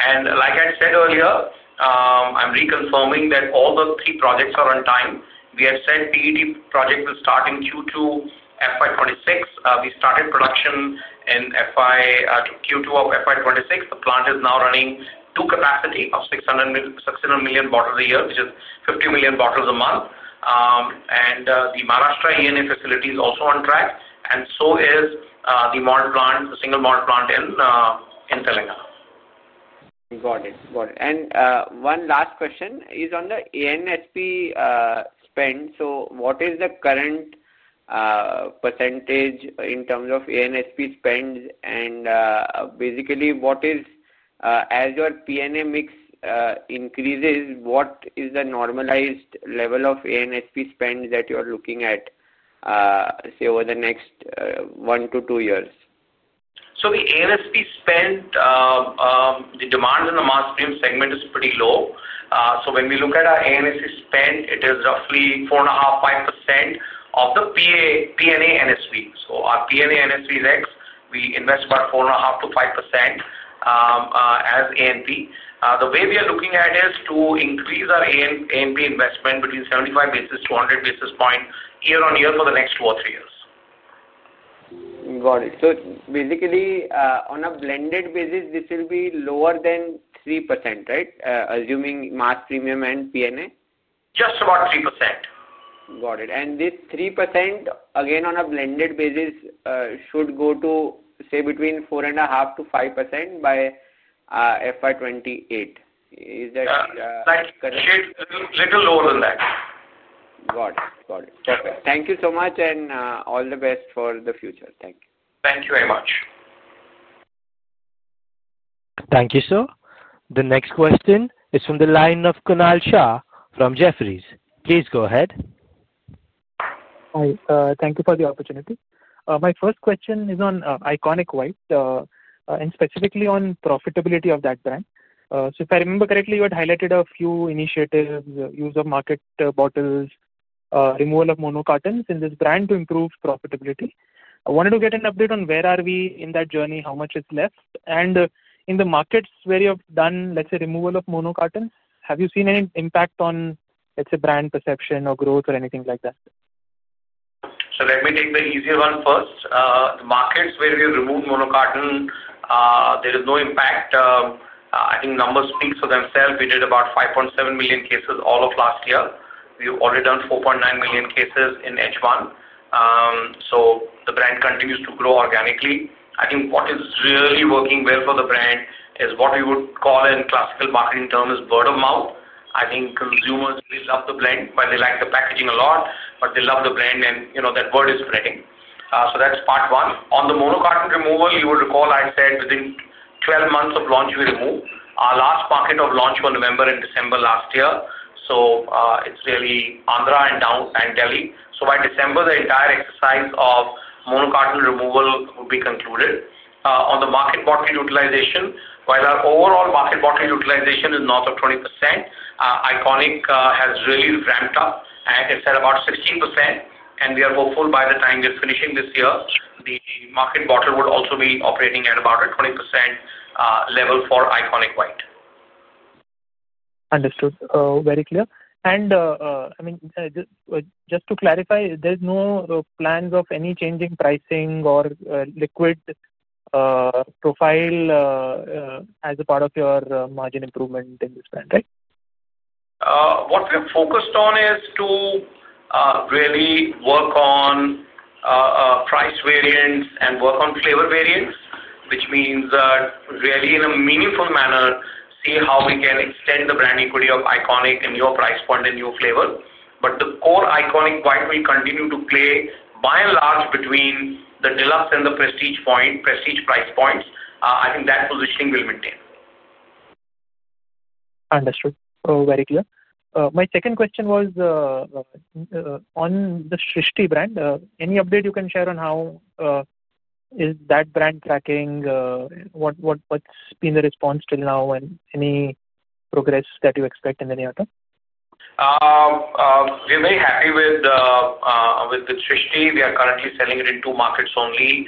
And like I had said earlier, I'm reconfirming that all the three projects are on time. We have said PET project will start in Q2 FY26. We started production in Q2 of FY26. The plant is now running to capacity of 600 million bottles a year, which is 50 million bottles a month. And the Maharashtra ENA facility is also on track, and so is the single malt plant in. Telangana. Got it. Got it. And one last question is on the ANSV. Spend. So what is the current. Percentage in terms of ANSV spend? And basically, as your P&A mix increases, what is the normalized level of ANSV spend that you are looking at. Over the next one to two years? So the ANSV spend. The demand in the Mass Premium segment is pretty low. So when we look at our ANSV spend, it is roughly 4.5%, 5% of the P&A NSV. So our P&A NSV is X. We invest about 4.5%-5%. As A&P. The way we are looking at it is to increase our A&P investment between 75 basis to 100 basis points year-on-year for the next two or three years. Got it. So basically, on a blended basis, this will be lower than 3%, right? Assuming Mass Premium and P&A? Just about 3%. Got it. And this 3%, again, on a blended basis, should go to, say, between 4.5% to 5% by. FY28. Is that correct? A little lower than that. Got it. Got it. Perfect. Thank you so much, and all the best for the future. Thank you. Thank you very much. Thank you, sir. The next question is from the line of Kunal Shah from Jefferies. Please go ahead. Hi. Thank you for the opportunity. My first question is on ICONiQ White. And specifically on profitability of that brand. So if I remember correctly, you had highlighted a few initiatives, use of market bottles, removal of mono cartons in this brand to improve profitability. I wanted to get an update on where are we in that journey, how much is left. And in the markets where you have done, let's say, removal of mono cartons, have you seen any impact on, let's say, brand perception or growth or anything like that? So let me take the easier one first. The markets where we removed mono carton. There is no impact. I think numbers speak for themselves. We did about 5.7 million cases all of last year. We've already done 4.9 million cases in H1. So the brand continues to grow organically. I think what is really working well for the brand is what we would call in classical marketing terms is word of mouth. I think consumers, they love the blend, but they like the packaging a lot, but they love the blend, and that word is spreading. So that's part one. On the mono carton removal, you will recall I had said within 12 months of launch, we removed. Our last packet of launch was November and December last year. So it's really Andhra and Delhi. So by December, the entire exercise of mono carton removal will be concluded. On the market bottle utilization, while our overall market bottle utilization is north of 20%, iconic has really ramped up. It's at about 16%. And we are hopeful by the time we are finishing this year, the market bottle would also be operating at about a 20% level for ICONiQ White. Understood. Very clear. And I mean. Just to clarify, there's no plans of any changing pricing or liquid. Profile. As a part of your margin improvement in this brand, right? What we're focused on is to. Really work on. Price variants and work on flavor variants, which means really in a meaningful manner, see how we can extend the brand equity of iconic and your price point and your flavor. But the core ICONiQ White will continue to play by and large between the deluxe and the prestige price points. I think that positioning will maintain. Understood. Very clear. My second question was. On the Srishti brand, any update you can share on how. Is that brand tracking? What's been the response till now and any progress that you expect in the near term? We're very happy with. The Srishti. We are currently selling it in two markets only,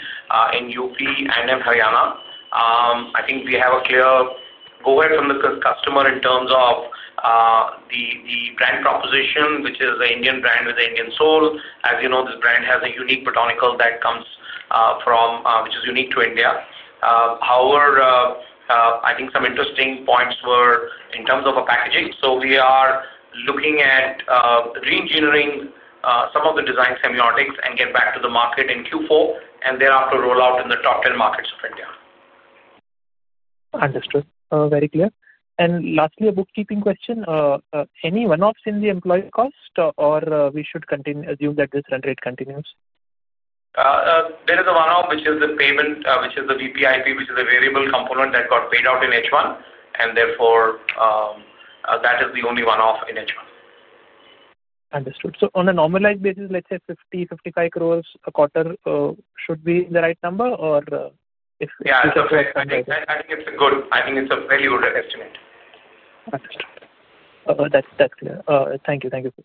in UP and in Haryana. I think we have a clear goal from the customer in terms of. The brand proposition, which is an Indian brand with an Indian soul. As you know, this brand has a unique botanical that comes from which is unique to India. However. I think some interesting points were in terms of our packaging. So we are looking at. Re-engineering some of the design semiotics and get back to the market in Q4 and thereafter roll out in the top 10 markets of India. Understood. Very clear. And lastly, a bookkeeping question. Any one-offs in the employee cost, or we should assume that this run rate continues? There is a one-off, which is the payment, which is the VPIP, which is a variable component that got paid out in H1. And therefore. That is the only one-off in H1. Understood. So on a normalized basis, let's say 50 crore-55 crore a quarter should be the right number, or if it's— Yeah. I think it's a good—I think it's a very good estimate. Understood. That's clear. Thank you. Thank you, sir.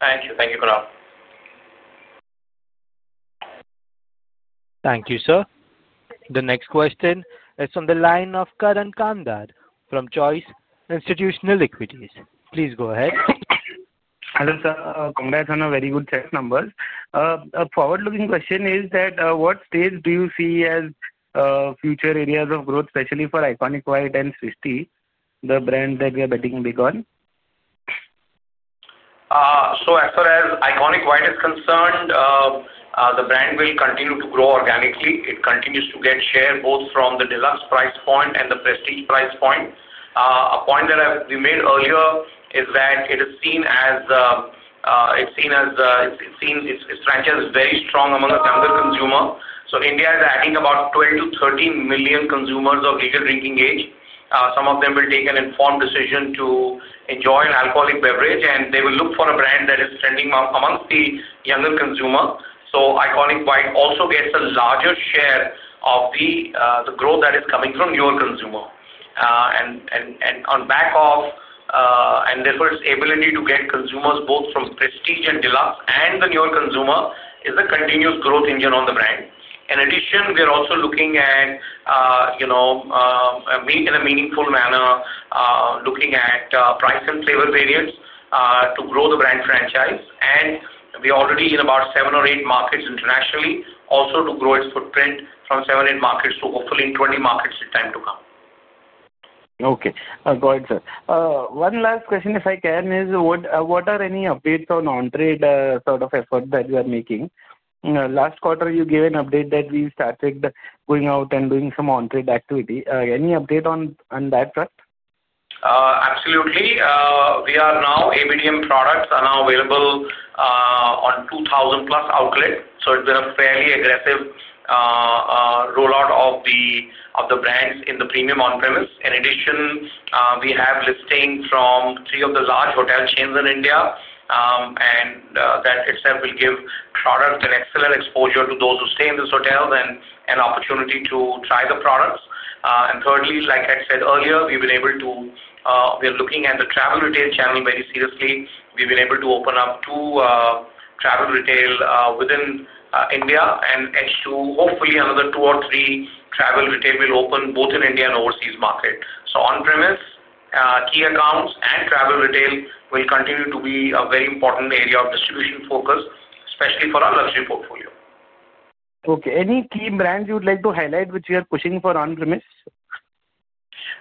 Thank you. Thank you, Kunal. Thank you, sir. The next question is from the line of Karan Kandhar from Choice Institutional Equities. Please go ahead. Hello, sir. Congrats on a very good set number. A forward-looking question is that what stage do you see as. Future areas of growth, especially for ICONiQ White and Srishti, the brand that we are betting big on? So as far as ICONiQ White is concerned. The brand will continue to grow organically. It continues to get share both from the deluxe price point and the prestige price point. A point that we made earlier is that it is seen as— It's seen as—It seems its franchise is very strong among a younger consumer. So India is adding about 12 million-13 million consumers of legal drinking age. Some of them will take an informed decision to enjoy an alcoholic beverage, and they will look for a brand that is trending amongst the younger consumer. So ICONiQ White also gets a larger share of the growth that is coming from your consumer. And on back of— And therefore, its ability to get consumers both from prestige and deluxe and the newer consumer is a continuous growth engine on the brand. In addition, we are also looking at. In a meaningful manner, looking at price and flavor variants to grow the brand franchise. And we are already in about seven or eight markets internationally, also to grow its footprint from seven or eight markets to hopefully 20 markets in time to come. Okay. Go ahead, sir. One last question, if I can, is what are any updates on on-trade sort of effort that you are making? Last quarter, you gave an update that we started going out and doing some on-trade activity. Any update on that front? Absolutely. We are now—ABDM products are now available. On 2,000-plus outlets. So it's been a fairly aggressive. Rollout of the brands in the premium on-premise. In addition, we have listings from three of the large hotel chains in India. And that itself will give products an excellent exposure to those who stay in these hotels and an opportunity to try the products. And thirdly, like I had said earlier, we've been able to—We are looking at the travel retail channel very seriously. We've been able to open up two travel retail within India and H2. Hopefully, another two or three travel retail will open both in India and overseas market. So on-premise, key accounts, and travel retail will continue to be a very important area of distribution focus, especially for our luxury portfolio. Okay. Any key brands you would like to highlight, which you are pushing for on-premise?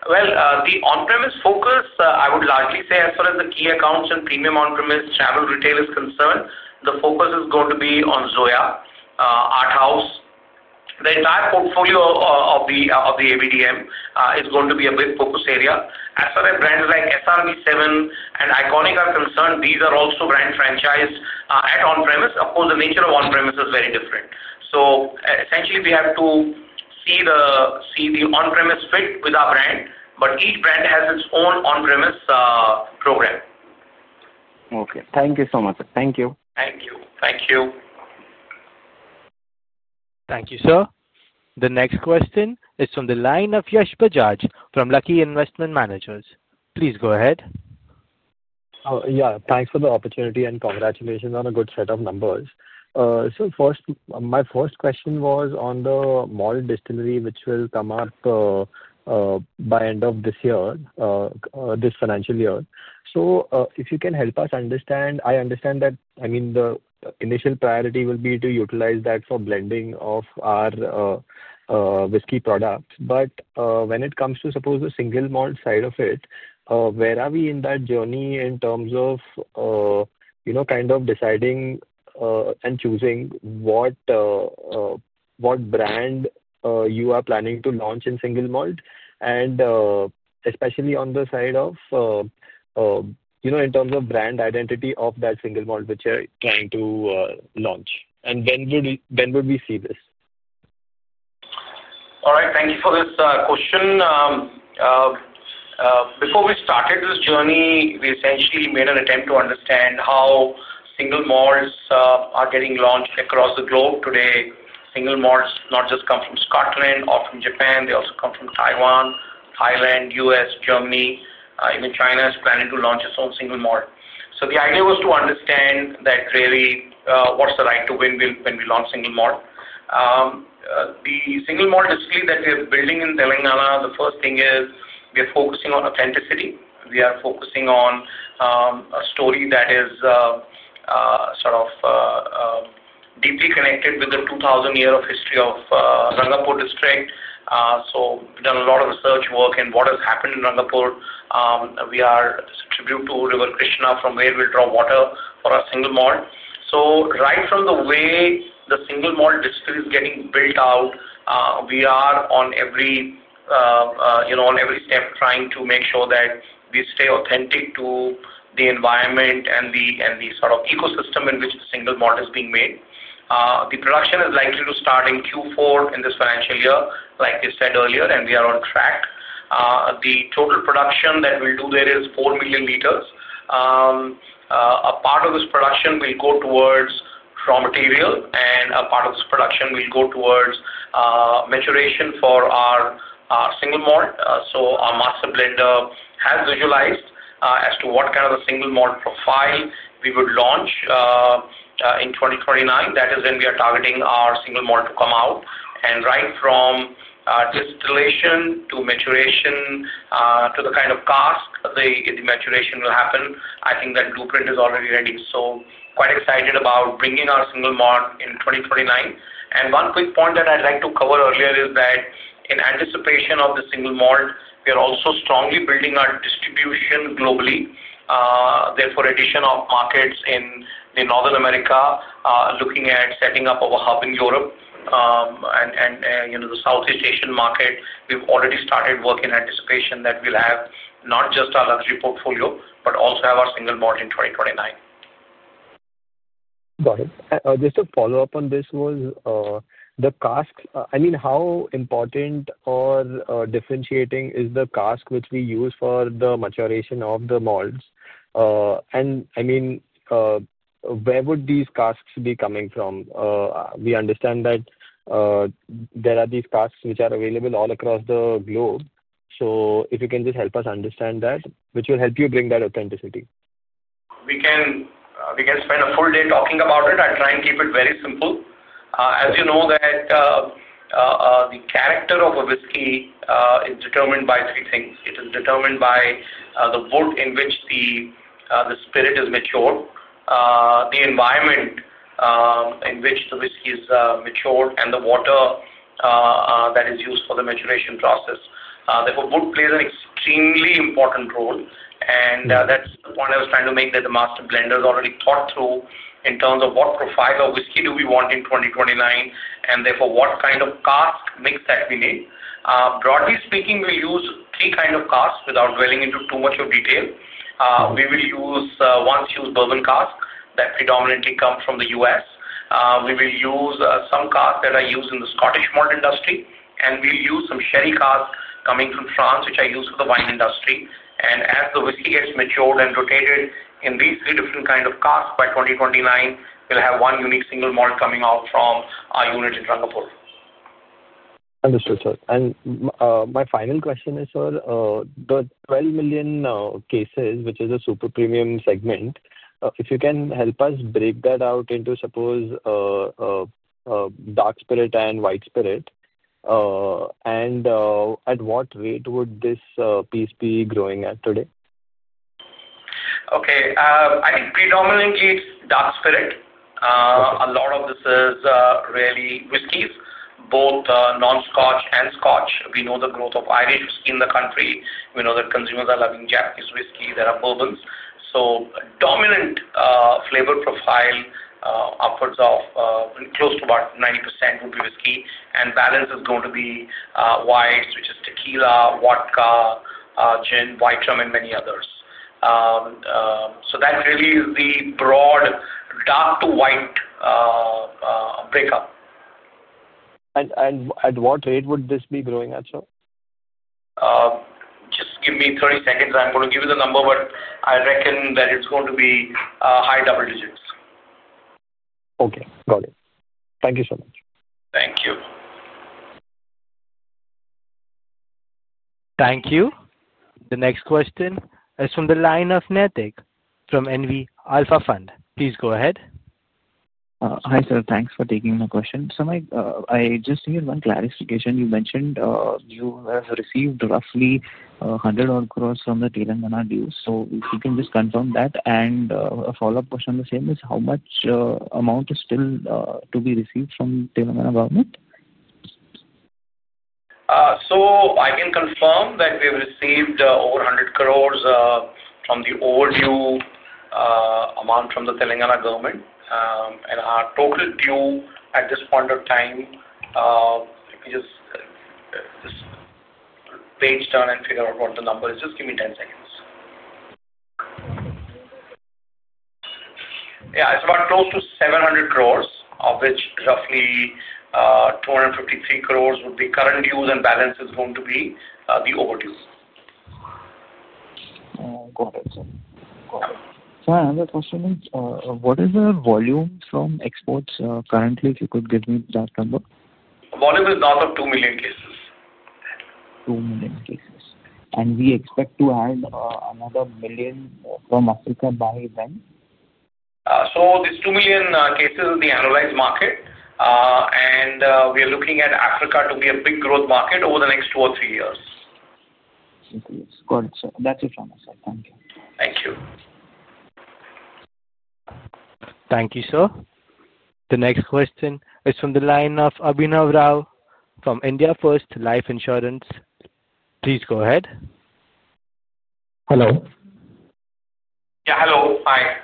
Well, the on-premise focus, I would largely say, as far as the key accounts and premium on-premise travel retail is concerned, the focus is going to be on Zoya, ArtHaus. The entire portfolio of the ABDM is going to be a big focus area. As far as brands like SRB7 and ICONiQ are concerned, these are also brand franchised at on-premise. Of course, the nature of on-premise is very different. So essentially, we have to see the on-premise fit with our brand, but each brand has its own on-premise program. Okay. Thank you so much, sir. Thank you. Thank you. Thank you. Thank you, sir. The next question is from the line of Yash Bajaj from Lucky Investment Managers. Please go ahead. Yeah. Thanks for the opportunity and congratulations on a good set of numbers. So my first question was on the malt destinary, which will come up. By end of this year. This financial year. So if you can help us understand, I understand that, I mean, the initial priority will be to utilize that for blending of our. Whiskey products. But when it comes to, suppose, the single malt side of it, where are we in that journey in terms of. Kind of deciding. And choosing what. Brand you are planning to launch in single malt? And. Especially on the side of. In terms of brand identity of that single malt which you're trying to launch. And when would we see this? All right. Thank you for this question. Before we started this journey, we essentially made an attempt to understand how single malts are getting launched across the globe today. Single malts not just come from Scotland or from Japan. They also come from Taiwan, Thailand, US, Germany. Even China is planning to launch its own single malt. So the idea was to understand that really what's the right-to-win when we launch single malt. The single malt distilleries that we are building in Telangana, the first thing is we are focusing on authenticity. We are focusing on. A story that is. Sort of. Deeply connected with the 2,000-year history of Ranganapur district. So we've done a lot of research work in what has happened in Ranganapur. We are a tribute to River Krishna from where we'll draw water for our single malt. So right from the way the single malt distilleries are getting built out. We are on every. Step trying to make sure that we stay authentic to the environment and the sort of ecosystem in which the single malt is being made. The production is likely to start in Q4 in this financial year, like you said earlier, and we are on track. The total production that we'll do there is 4 million liters. A part of this production will go towards raw material, and a part of this production will go towards. Maturation for our single malt. So our master blender has visualized as to what kind of a single malt profile we would launch. In 2029. That is when we are targeting our single malt to come out. And right from. Distillation to maturation to the kind of cask, the maturation will happen. I think that blueprint is already ready. So quite excited about bringing our single malt in 2029. And one quick point that I'd like to cover earlier is that in anticipation of the single malt, we are also strongly building our distribution globally. Therefore, addition of markets in Northern America, looking at setting up our hub in Europe. And the Southeast Asian market. We've already started work in anticipation that we'll have not just our luxury portfolio, but also have our single malt in 2029. Got it. Just a follow-up on this was. The casks. I mean, how important or differentiating is the cask which we use for the maturation of the malts? And I mean. Where would these casks be coming from? We understand that. There are these casks which are available all across the globe. So if you can just help us understand that, which will help you bring that authenticity. We can. Spend a full day talking about it. I'll try and keep it very simple. As you know, the. Character of a whiskey is determined by three things. It is determined by the wood in which the. Spirit is matured. The environment. In which the whiskey is matured, and the water. That is used for the maturation process. Therefore, wood plays an extremely important role. And that's the point I was trying to make that the master blender has already thought through in terms of what profile of whiskey do we want in 2029, and therefore, what kind of cask mix that we need. Broadly speaking, we'll use three kinds of casks without dwelling into too much detail. We will use one huge bourbon cask that predominantly comes from the U.S. We will use some casks that are used in the Scottish malt industry. And we'll use some sherry casks coming from France, which are used for the wine industry. And as the whiskey gets matured and rotated in these three different kinds of casks, by 2029, we'll have one unique single malt coming out from our unit in Ranganapur. Understood, sir. And my final question is, sir, the 12 million cases, which is a super premium segment, if you can help us break that out into, suppose. Dark spirit and white spirit. And at what rate would this piece be growing at today? Okay. I think predominantly it's dark spirit. A lot of this is really whiskeys, both non-scotch and scotch. We know the growth of Irish whiskey in the country. We know that consumers are loving Japanese whiskey. There are bourbons. So dominant flavor profile. Upwards of close to about 90% would be whiskey. And balance is going to be. Whites, which is tequila, vodka. Gin, white rum, and many others. So that really is the broad dark to white. Breakup. And at what rate would this be growing at, sir? Just give me 30 seconds. I'm going to give you the number, but I reckon that it's going to be high double digits. Okay. Got it. Thank you so much. Thank you. Thank you. The next question is from the line of Natik from NV Alpha Fund. Please go ahead. Hi, sir. Thanks for taking my question. So I just need one clarification. You mentioned you have received roughly 100-odd crores from the Telangana deal. So if you can just confirm that. And a follow-up question on the same is how much amount is still to be received from the Telangana government? So I can confirm that we have received over 100 crore from the overdue. Amount from the Telangana government. And our total due at this point of time— Let me just. Page down and figure out what the number is. Just give me 10 seconds. Yeah. It's about close to 700 crore, of which roughly. 253 crore would be current due, and the balance is going to be the overdue. Got it, sir. Got it. Sir, another question is, what is the volume from exports currently? If you could give me that number. Volume is north of 2 million cases. 2 million cases. And we expect to add another million from Africa by when? So this 2 million cases is the annualized market. And we are looking at Africa to be a big growth market over the next two or three years. Okay. Got it, sir. That's it from us, sir. Thank you. Thank you. Thank you, sir. The next question is from the line of Abhinav Rao from IndiaFirst Life Insurance. Please go ahead. Hello. Yeah. Hello. Hi.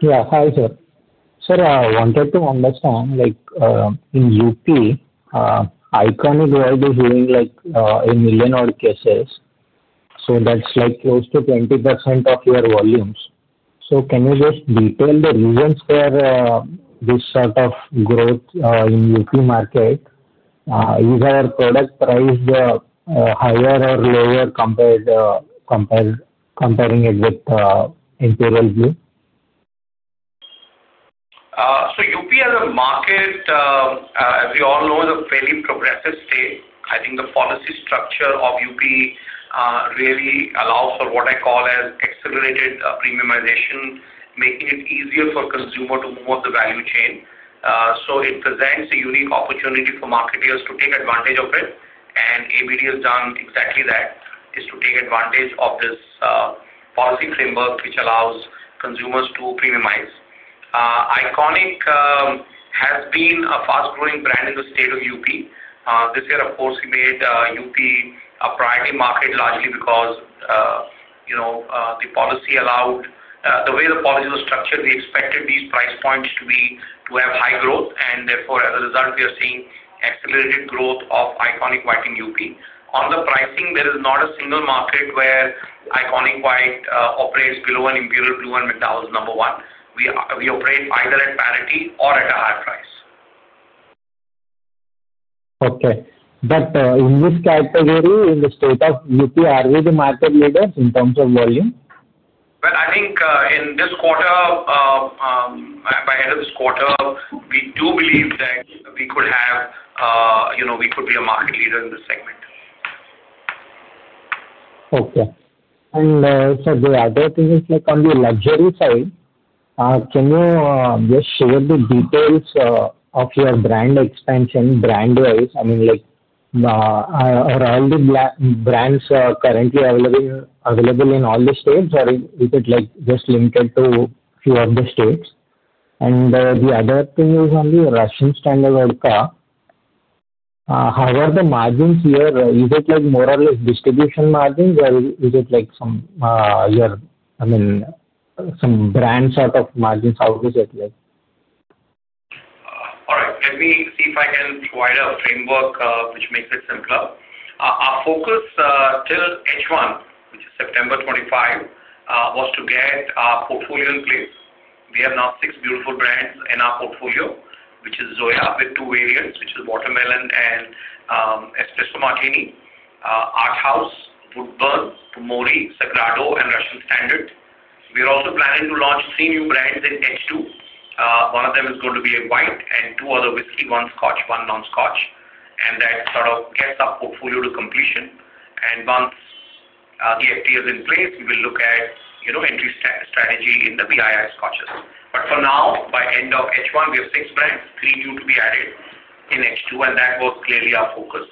Yeah. Hi, sir. Sir, I wanted to understand. In U.K. ICONiQ white is doing a million-odd cases. So that's close to 20% of your volumes. So can you just detail the reasons for. This sort of growth in UP market? Is our product priced higher or lower comparing. It with. Imperial Blue? So UP as a market. As we all know, is a fairly progressive state. I think the policy structure of UP. Really allows for what I call as accelerated premiumization, making it easier for consumers to move up the value chain. So it presents a unique opportunity for marketers to take advantage of it. And ABD has done exactly that, is to take advantage of this. Policy framework, which allows consumers to premiumize. ICONiQ. Has been a fast-growing brand in the state of UP. This year, of course, we made UP a priority market largely because. The policy allowed the way the policy was structured, we expected these price points to have high growth. And therefore, as a result, we are seeing accelerated growth of ICONiQ White in UP. On the pricing, there is not a single market where ICONiQ White operates below an Imperial Blue and McDowell's No.1. We operate either at parity or at a higher price. Okay. But in this category, in the state of UP, are we the market leaders in terms of volume? Well, I think in this quarter. By the end of this quarter, we do believe that we could have. We could be a market leader in this segment. Okay. And sir, there are other things. On the luxury side, can you just share the details of your brand expansion brand-wise? I mean. Are all the brands currently available in all the states, or is it just limited to a few of the states? And the other thing is on the Russian standard vodka. How are the margins here? Is it more or less distribution margins, or is it some. I mean. Some brand sort of margins? How is it? All right. Let me see if I can provide a framework which makes it simpler. Our focus till H1, which is September 2025, was to get our portfolio in place. We have now six beautiful brands in our portfolio, which is Zoya with two variants, which is Watermelon and. Espresso Martini. ArtHaus, Woodburns, Pumori, Segredo, and Russian Standard. We are also planning to launch three new brands in H2. One of them is going to be a white, and two other whiskey, one scotch, one non-scotch. And that sort of gets our portfolio to completion. And once. The FT is in place, we will look at entry strategy in the BII scotches. But for now, by end of H1, we have six brands, three new to be added in H2, and that was clearly our focus.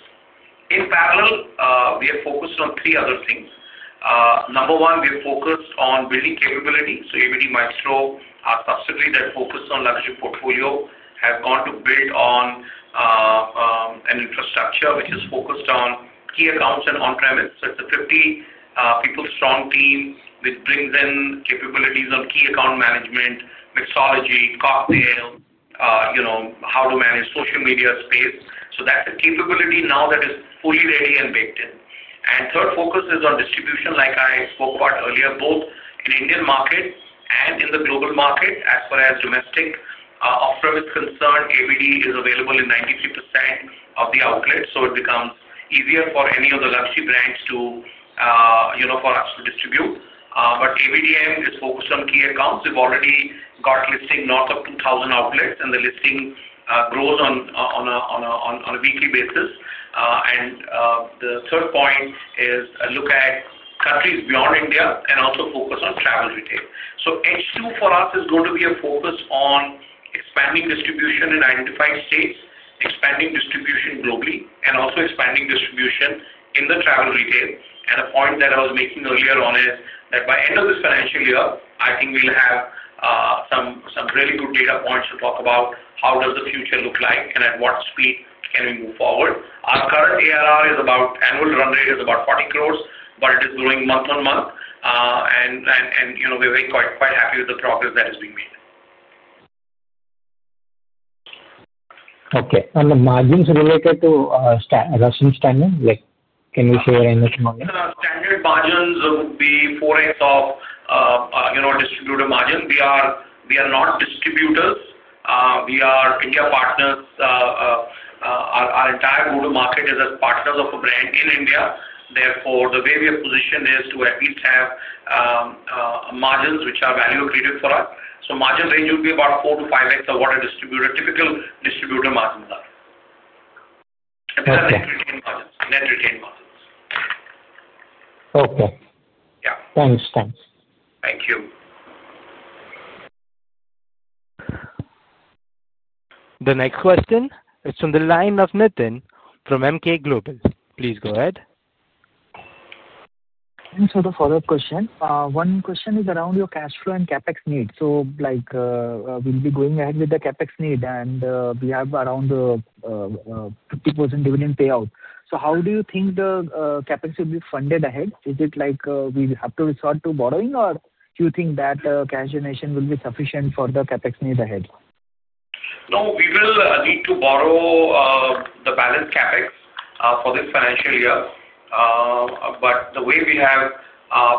In parallel, we have focused on three other things. Number one, we have focused on building capability. So ABD Maestro, our subsidiary that focuses on luxury portfolio, has gone to build on. An infrastructure which is focused on key accounts and on-premise. So it's a 50-people strong team which brings in capabilities on key account management, mixology, cocktails. How to manage social media space. So that's a capability now that is fully ready and baked in. And third focus is on distribution, like I spoke about earlier, both in the Indian market and in the global market. As far as domestic off-premise is concerned, ABD is available in 93% of the outlets. So it becomes easier for any of the luxury brands to. For us to distribute. But ABDM is focused on key accounts. We've already got listing north of 2,000 outlets, and the listing grows on. A weekly basis. And the third point is a look at countries beyond India and also focus on travel retail. So H2 for us is going to be a focus on. Expanding distribution in identified states, expanding distribution globally, and also expanding distribution in the travel retail. And a point that I was making earlier on is that by end of this financial year, I think we'll have. Some really good data points to talk about how does the future look like and at what speed can we move forward. Our current ARR is about annual run rate is about 40 crore, but it is growing month on month. And. We're quite happy with the progress that is being made. Okay. On the margins related to Russian Standard, can you share anything on that? The standard margins would be 4x of. Distributor margin. We are not distributors. We are India partners. Our entire go-to market is as partners of a brand in India. Therefore, the way we are positioned is to at least have. Margins which are value-accretive for us. So margin range would be about 4x-5x of what a typical distributor margins are. Net retained margins. Net retained margins. Okay. Yeah. Thanks. Thanks. Thank you. The next question is from the line of Nitin from Emkay Global. Please go ahead. Thanks for the follow-up question. One question is around your cash flow and CapEx needs. So. We'll be going ahead with the CapEx need, and we have around. 50% dividend payout. So how do you think the CapEx will be funded ahead? Is it like we have to resort to borrowing, or do you think that cash generation will be sufficient for the CapEx need ahead? No, we will need to borrow. The balanced CapEx for this financial year. But the way we have.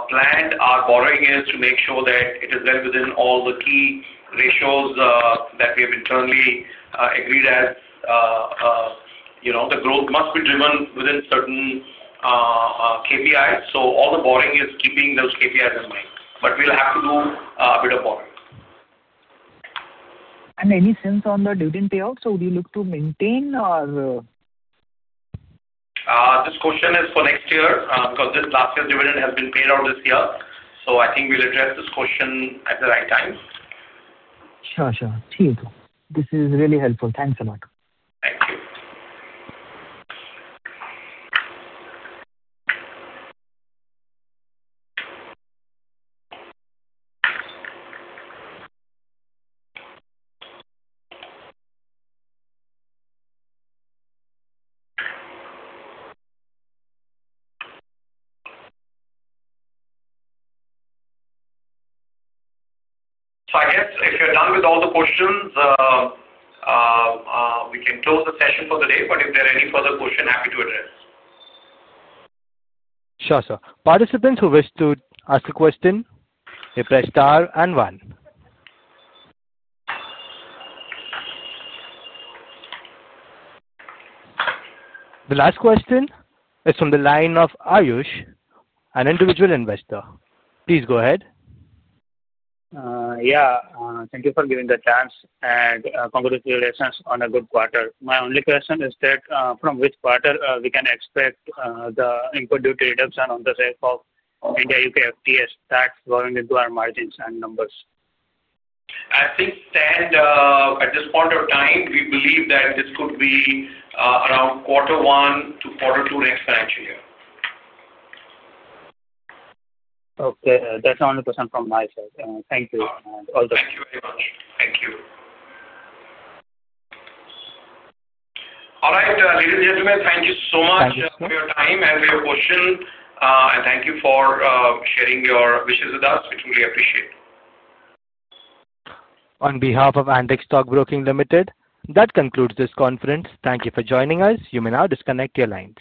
Planned our borrowing is to make sure that it is done within all the key ratios that we have internally agreed as. The growth must be driven within certain. KPIs. So all the borrowing is keeping those KPIs in mind. But we'll have to do a bit of borrowing. And any sense on the dividend payout? So would you look to maintain or? This question is for next year because this last year's dividend has been paid out this year. So I think we'll address this question at the right time. Sure, sure. Thank you. This is really helpful. Thanks a lot. Thank you. So I guess if you're done with all the questions. We can close the session for the day. But if there are any further questions, happy to address. Sure, sir. Participants who wish to ask a question may press star and one. The last question is from the line of Ayush, an individual investor. Please go ahead. Yeah. Thank you for giving the chance and congratulations on a good quarter. My only question is that from which quarter we can expect the input duty reduction on the sales of India-U.K. FTA tax going into our margins and numbers? I think at this point of time, we believe that this could be around quarter one to quarter two next financial year. Okay. That's the only question from my side. Thank you. All the best. Thank you very much. Thank you. All right. Ladies and gentlemen, thank you so much for your time and for your questions. And thank you for sharing your wishes with us. We truly appreciate it. On behalf of Antex Stock Broking Limited, that concludes this conference. Thank you for joining us. You may now disconnect your lines.